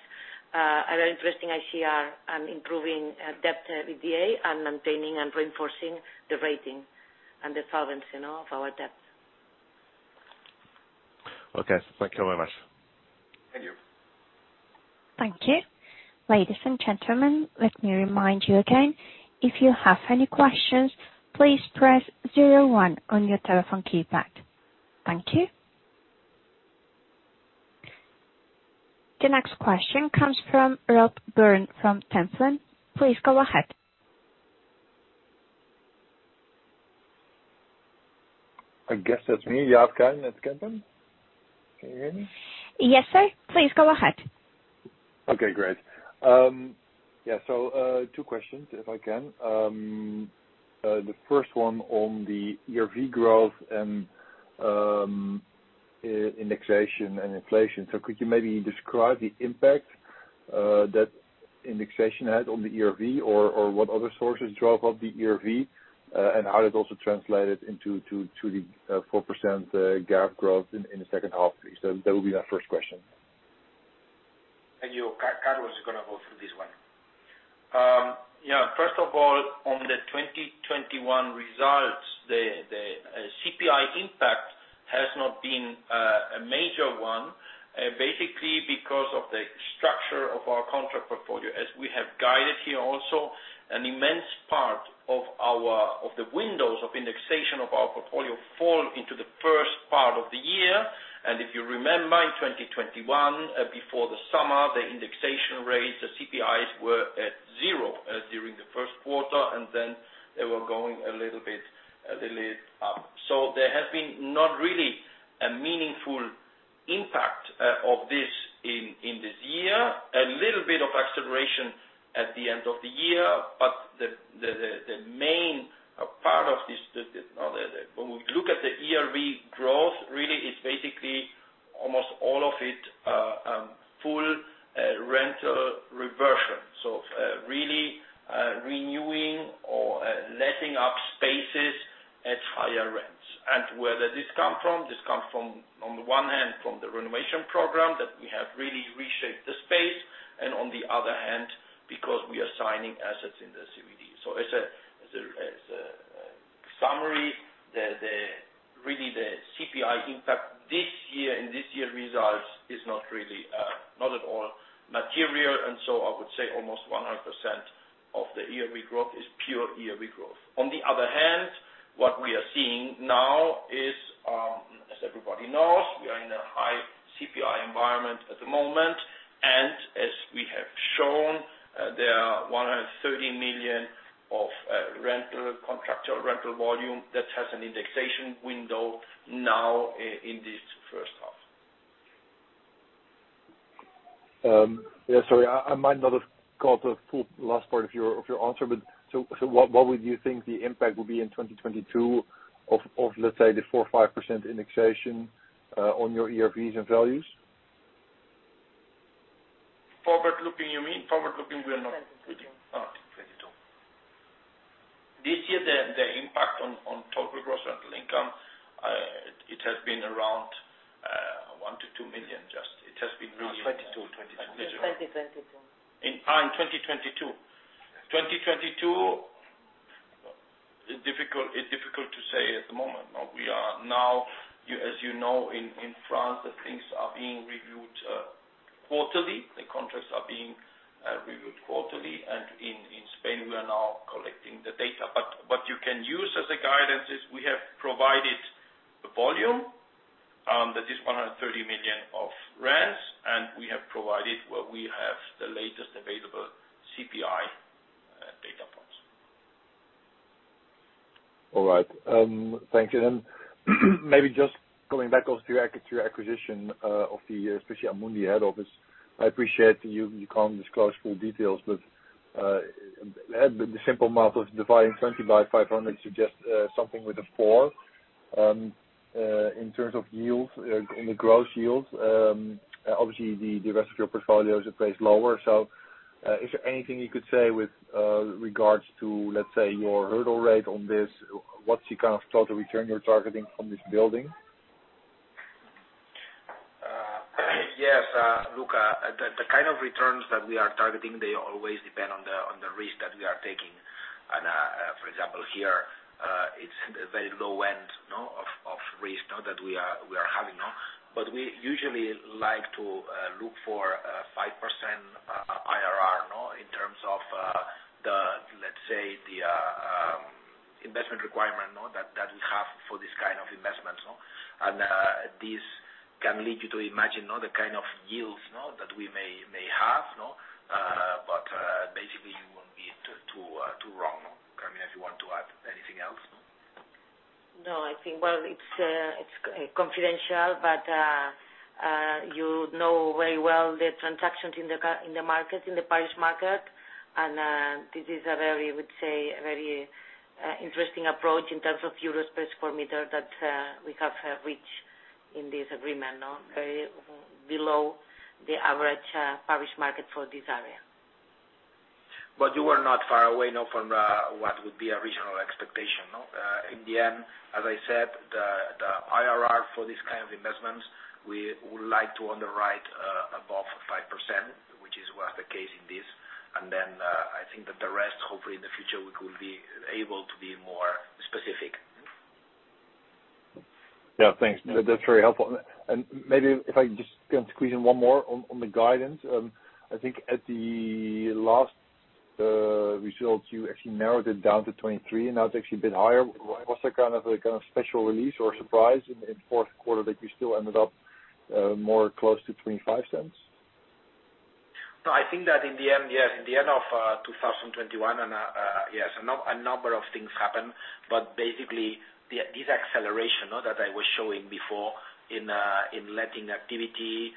a very interesting ICR and improving debt to EBITDA and maintaining and reinforcing the rating and the solvency, no, of our debt. Okay. Thank you very much. Thank you. Thank you. Ladies and gentlemen, let me remind you again. If you have any questions, please press zero one on your telephone keypad. Thank you. The next question comes from Rob Byrne from Templeton. Please go ahead. I guess that's me. Yeah. That's Templeton. Can you hear me? Yes, sir. Please go ahead. Okay, great. Yeah. Two questions, if I can. The first one on the ERV growth and indexation and inflation. Could you maybe describe the impact that indexation had on the ERV or what other sources drove up the ERV and how it also translated into the 4% GAAP growth in the second half, please? That would be my first question. Thank you. Carlos is gonna go through this one. First of all, on the 2021 results, the CPI impact has not been a major one, basically because of the structure of our contract portfolio. As we have guided here also, an immense part of our windows of indexation of our portfolio fall into the first part of the year. If you remember, in 2021, before the summer, the indexation rates, the CPIs were at zero during the first quarter, and then they were going a little bit up. There has been not really a meaningful impact of this in this year. A little bit of acceleration at the end of the year, but the main part of this, now when we look at the ERV growth, really it's basically almost all of it, full rental reversion. Really renewing or letting up spaces at higher rents. Where does this come from? This comes from, on the one hand, from the renovation program that we have really reshaped the space, and on the other hand, because we are signing assets in the CBD. As a summary, really the CPI impact this year and this year's results is not really, not at all material. I would say almost 100% of the ERV growth is pure ERV growth. On the other hand, what we are seeing now is, as everybody knows, we are in a high CPI environment at the moment. As we have shown, there are 130 million of contractual rental volume that has an indexation window now in this first half. Yeah, sorry. I might not have got the full last part of your answer, but so what would you think the impact will be in 2022 of, let's say, the 4% or 5% indexation on your ERVs and values? Forward-looking, you mean? Forward-looking we are not- 2022. ...2022. This year the impact on total gross rental income, it has been around 1 million-2 million just. It has been really. No, 2022. In 2022. In 2022. 2022 is difficult to say at the moment. Now we are, as you know, in France that things are being reviewed quarterly. The contracts are being reviewed quarterly. In Spain, we are now collecting the data. What you can use as a guidance is we have provided the volume that is EUR 130 million of rents, and we have provided what we have, the latest available CPI data points. All right. Thank you. Maybe just coming back also to your acquisition of the especially Amundi head office. I appreciate you can't disclose full details, but the simple math of dividing 20 by 500 suggests something with a four. In terms of yields, in the gross yields, obviously the rest of your portfolio is a place lower. Is there anything you could say with regards to, let's say, your hurdle rate on this? What's the kind of total return you're targeting from this building? Yes. Look, the kind of returns that we are targeting, they always depend on the risk that we are taking. For example, here, it's very low end of risk, no, that we are having, no? We usually like to look for 5% IRR, no? In terms of the, let's say the investment requirement, no, that we have for this kind of investment, no? This can lead you to imagine, no, the kind of yields, no, that we may have, no? But basically you won't be too wrong. Carmina, if you want to add anything else. No, I think, well, it's confidential, but you know very well the transactions in the market, in the Paris market. This is a very, I would say, a very interesting approach in terms of euro per sq m that we have reached in this agreement, no? Very below the average Paris market for this area. You are not far away from what would be a regional expectation. In the end, as I said, the IRR for this kind of investment we would like to underwrite above 5%, which is the case in this. I think that the rest, hopefully, in the future, we could be able to be more specific. Yeah. Thanks. That's very helpful. Maybe if I just can squeeze in one more on the guidance. I think at the last results, you actually narrowed it down to 23, and now it's actually a bit higher. Was there kind of a special release or surprise in fourth quarter that you still ended up more close to 0.35? No, I think that in the end of 2021, a number of things happened. But basically this acceleration that I was showing before in letting activity.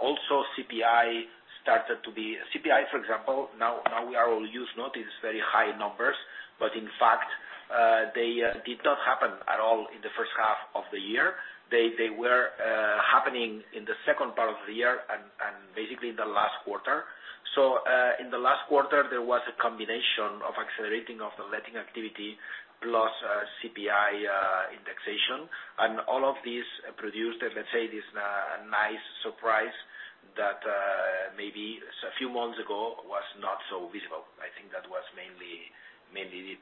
Also CPI started to be CPI, for example, now we are all used to these very high numbers, but in fact, they did not happen at all in the first half of the year. They were happening in the second part of the year and basically in the last quarter. In the last quarter, there was a combination of accelerating of the letting activity plus CPI indexation. All of these produced, let's say, this nice surprise that maybe a few months ago was not so visible. I think that was mainly it.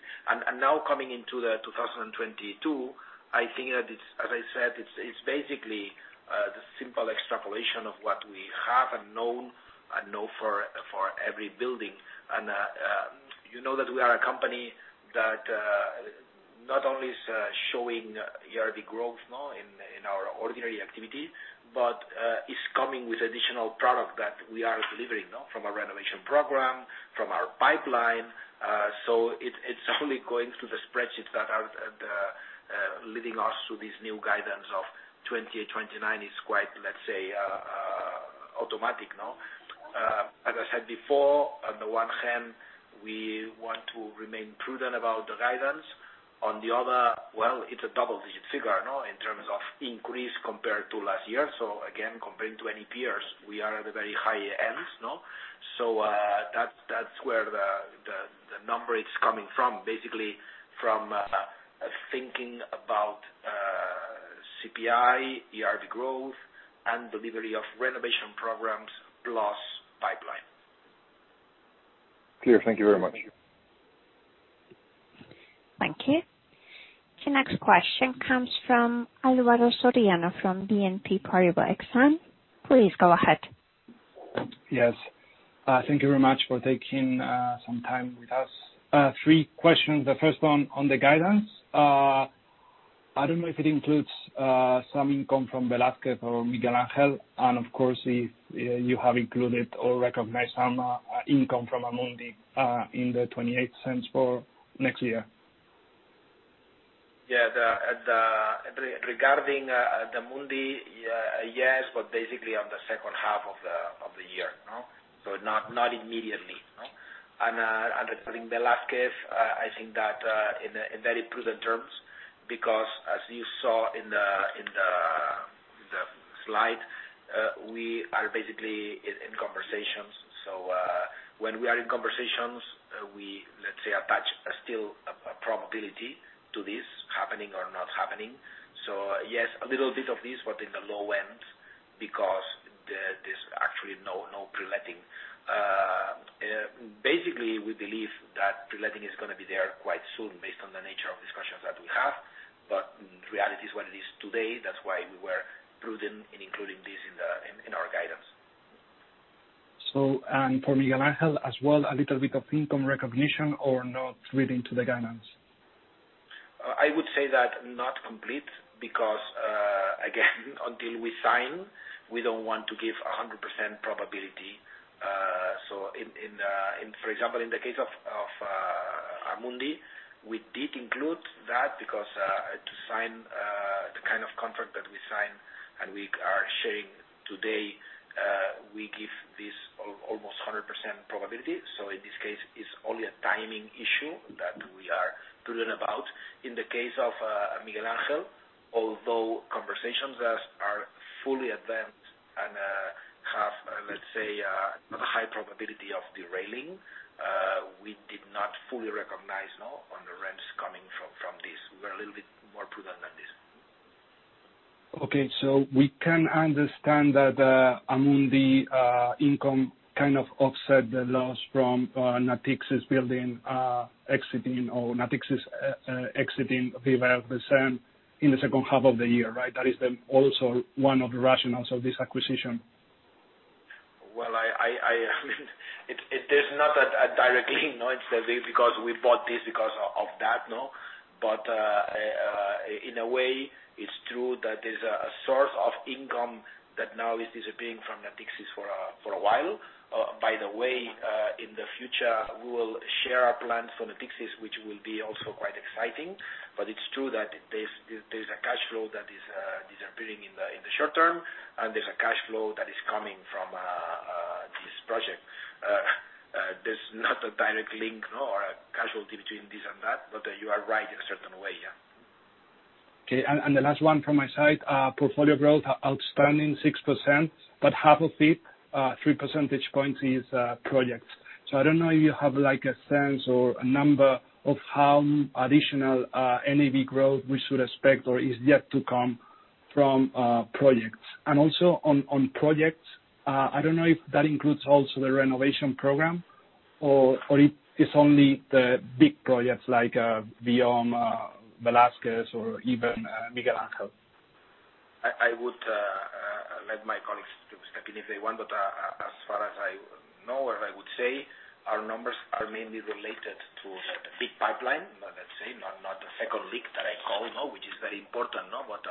Now coming into 2022, I think that it's as I said, it's basically the simple extrapolation of what we have and know for every building. You know that we are a company that not only is showing ERV growth in our ordinary activity, but is coming with additional product that we are delivering from our renovation program, from our pipeline. So it's only going through the spreadsheets that are leading us to this new guidance of 28, 29 is quite, let's say, automatic. As I said before, on the one hand, we want to remain prudent about the guidance. On the other, well, it's a double-digit figure, you know, in terms of increase compared to last year. Again, compared to any peers, we are at the very high ends, no. That's where the number is coming from. Basically, from thinking about CPI, ERV growth and delivery of renovation programs plus pipeline. Clear. Thank you very much. Thank you. The next question comes from Álvaro Soriano from BNP Paribas Exane. Please go ahead. Yes. Thank you very much for taking some time with us. Three questions. The first one on the guidance. I don't know if it includes some income from Velázquez or Miguel Ángel, and of course, if you have included or recognized some income from Amundi in the 0.28 for next year. Yeah. Regarding Amundi, yes, but basically on the second half of the year, no? Not immediately, no. Regarding Velázquez, I think that in very prudent terms, because as you saw in the slide, we are basically in conversations. When we are in conversations, we let's say attach still a probability to this happening or not happening. Yes, a little bit of this, but in the low end because there's actually no pre-letting. Basically, we believe that pre-letting is gonna be there quite soon based on the nature of discussions that we have. But reality is what it is today. That's why we were prudent in including this in our guidance. For Miguel Ángel as well, a little bit of income recognition or not really into the guidance? I would say that not complete because, again, until we sign, we don't want to give 100% probability. So for example, in the case of Amundi, we did include that because to sign the kind of contract that we sign and we are sharing today, we give this almost 100% probability. So in this case, it's only a timing issue that we are prudent about. In the case of Miguel Ángel, although conversations are fully advanced and have, let's say, high probability of derailing, we did not fully recognize, no, on the rents coming from this. We're a little bit more prudent than this. Okay. We can understand that Amundi income kind of offset the loss from Natixis building exiting or Natixis exiting. Then in the second half of the year, right? That is then also one of the rationales of this acquisition. Well, there's not a direct link, no, and say because we bought this because of that, no. In a way, it's true that there's a source of income that now is disappearing from Natixis for a while. By the way, in the future, we will share our plans for Natixis, which will be also quite exciting. It's true that there's a cash flow that is disappearing in the short term, and there's a cash flow that is coming from this project. There's not a direct link, no, or a causality between this and that, but you are right in a certain way, yeah. Okay. The last one from my side. Portfolio growth outstanding 6%, but half of it, 3 percentage points is projects. I don't know if you have like a sense or a number of how additional NAV growth we should expect or is yet to come from projects. Also on projects, I don't know if that includes also the renovation program or it is only the big projects like Biome, Velázquez or even Miguel Ángel. I would let my colleagues to step in if they want, but as far as I know or I would say, our numbers are mainly related to the big pipeline. Let's say, not the second league that I call, which is very important, but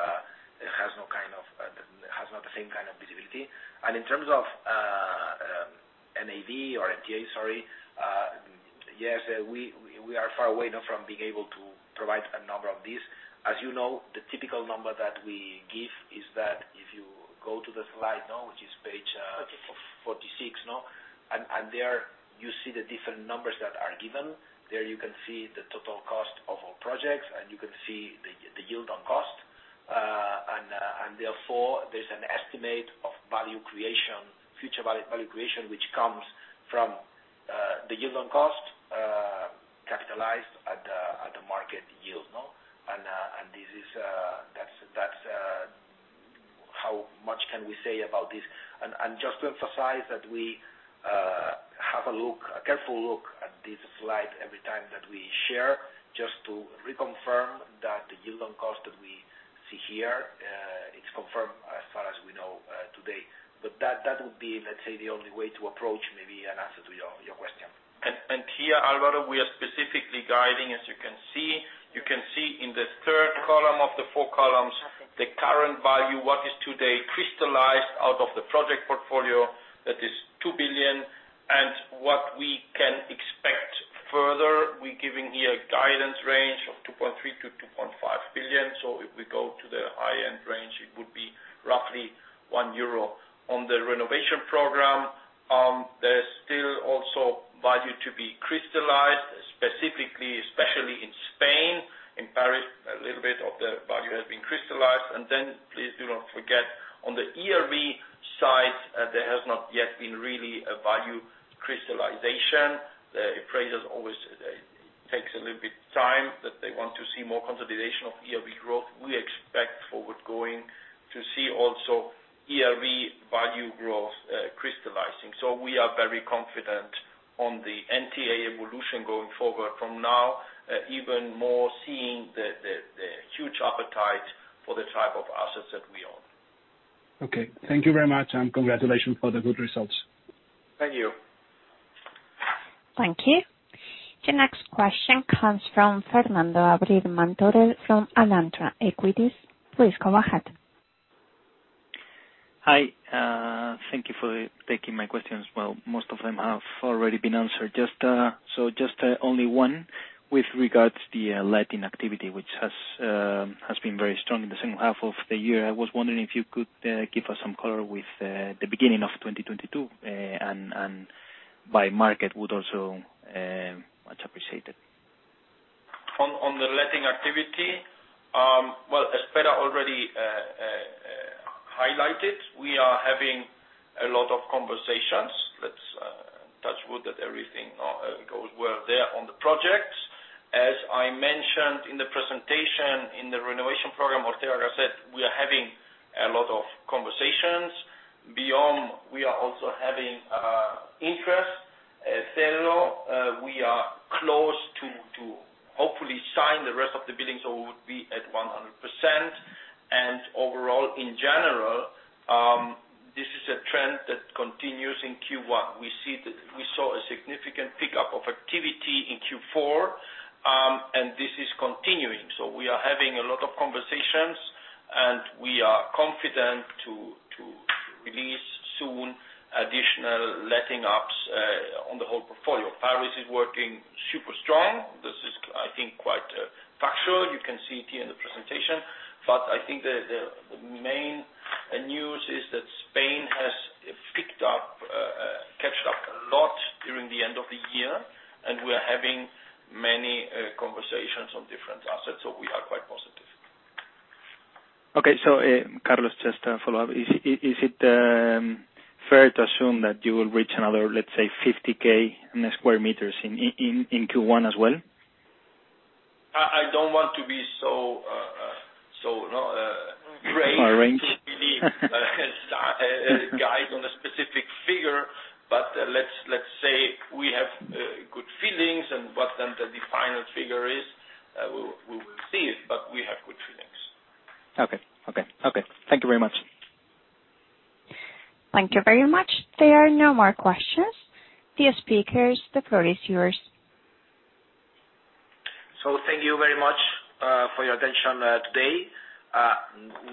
it has not the same kind of visibility. In terms of NAV or NTA, sorry, yes, we are far away from being able to provide a number of this. As you know, the typical number that we give is that if you go to the slide, which is page 46, and there you see the different numbers that are given. There you can see the total cost of our projects, and you can see the yield on cost. Therefore, there's an estimate of value creation, future value creation, which comes from the yield on cost at the market yield, no? This is, that's how much can we say about this. Just to emphasize that we have a look, a careful look at this slide every time that we share, just to reconfirm that the yield on cost that we see here, it's confirmed as far as we know today. That would be, let's say, the only way to approach maybe an answer to your question. Here, Álvaro, we are specifically guiding, as you can see. You can see in the third column of the four columns, the current value, what is today crystallized out of the project portfolio, that is 2 billion. What we can expect further, we're giving here a guidance range of 2.3 billion-2.5 billion. If we go to the high-end range, it would be roughly 1 euro on the renovation program. There's still also value to be crystallized, specifically, especially in Spain. In Paris, a little bit of the value has been crystallized. Please do not forget, on the ERV side, there has not yet been really a value crystallization. The appraisers always takes a little bit time, that they want to see more consolidation of ERV growth. We expect, going forward, to see also ERV value growth crystallizing. We are very confident on the NTA evolution going forward from now, even more seeing the huge appetite for the type of assets that we own. Okay. Thank you very much, and congratulations for the good results. Thank you. Thank you. The next question comes from Fernando Abril-Martorell from Alantra Equities. Please go ahead. Hi. Thank you for taking my questions. Well, most of them have already been answered. Just one with regards to the letting activity, which has been very strong in the second half of the year. I was wondering if you could give us some color with the beginning of 2022, and by market would also much appreciated. On the letting activity, well, as Pere already highlighted, we are having a lot of conversations. Let's touch wood that everything goes well there on the projects. As I mentioned in the presentation, in the renovation program, what Pere said, we are having a lot of conversations. Biome, we are also having interest. At Cedro, we are close to hopefully sign the rest of the buildings, so we would be at 100%. Overall, in general, this is a trend that continues in Q1. We saw a significant pickup of activity in Q4, and this is continuing. We are having a lot of conversations, and we are confident to release soon additional letting updates on the whole portfolio. Paris is working super strong. This is, I think, quite factual. You can see it here in the presentation. I think the main news is that Spain has picked up, catch up a lot during the end of the year, and we're having many conversations on different assets, so we are quite positive. Carlos, just to follow up. Is it fair to assume that you will reach another, let's say, 50K sq m in Q1 as well? I don't want to be so great. A range. To really guide on a specific figure. Let's say we have good feelings and what then the final figure is, we will see it, but we have good feelings. Okay. Thank you very much. Thank you very much. There are no more questions. Dear speakers, the floor is yours. Thank you very much for your attention today.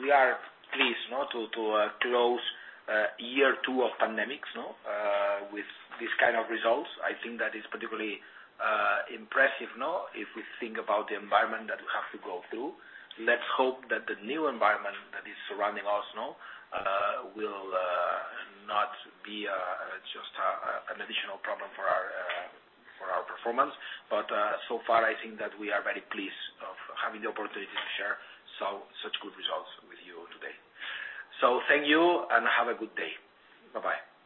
We are pleased to close year two of pandemics with this kind of results. I think that is particularly impressive if we think about the environment that we have to go through. Let's hope that the new environment that is surrounding us will not be just an additional problem for our performance. So far, I think that we are very pleased of having the opportunity to share such good results with you today. Thank you, and have a good day. Bye-bye.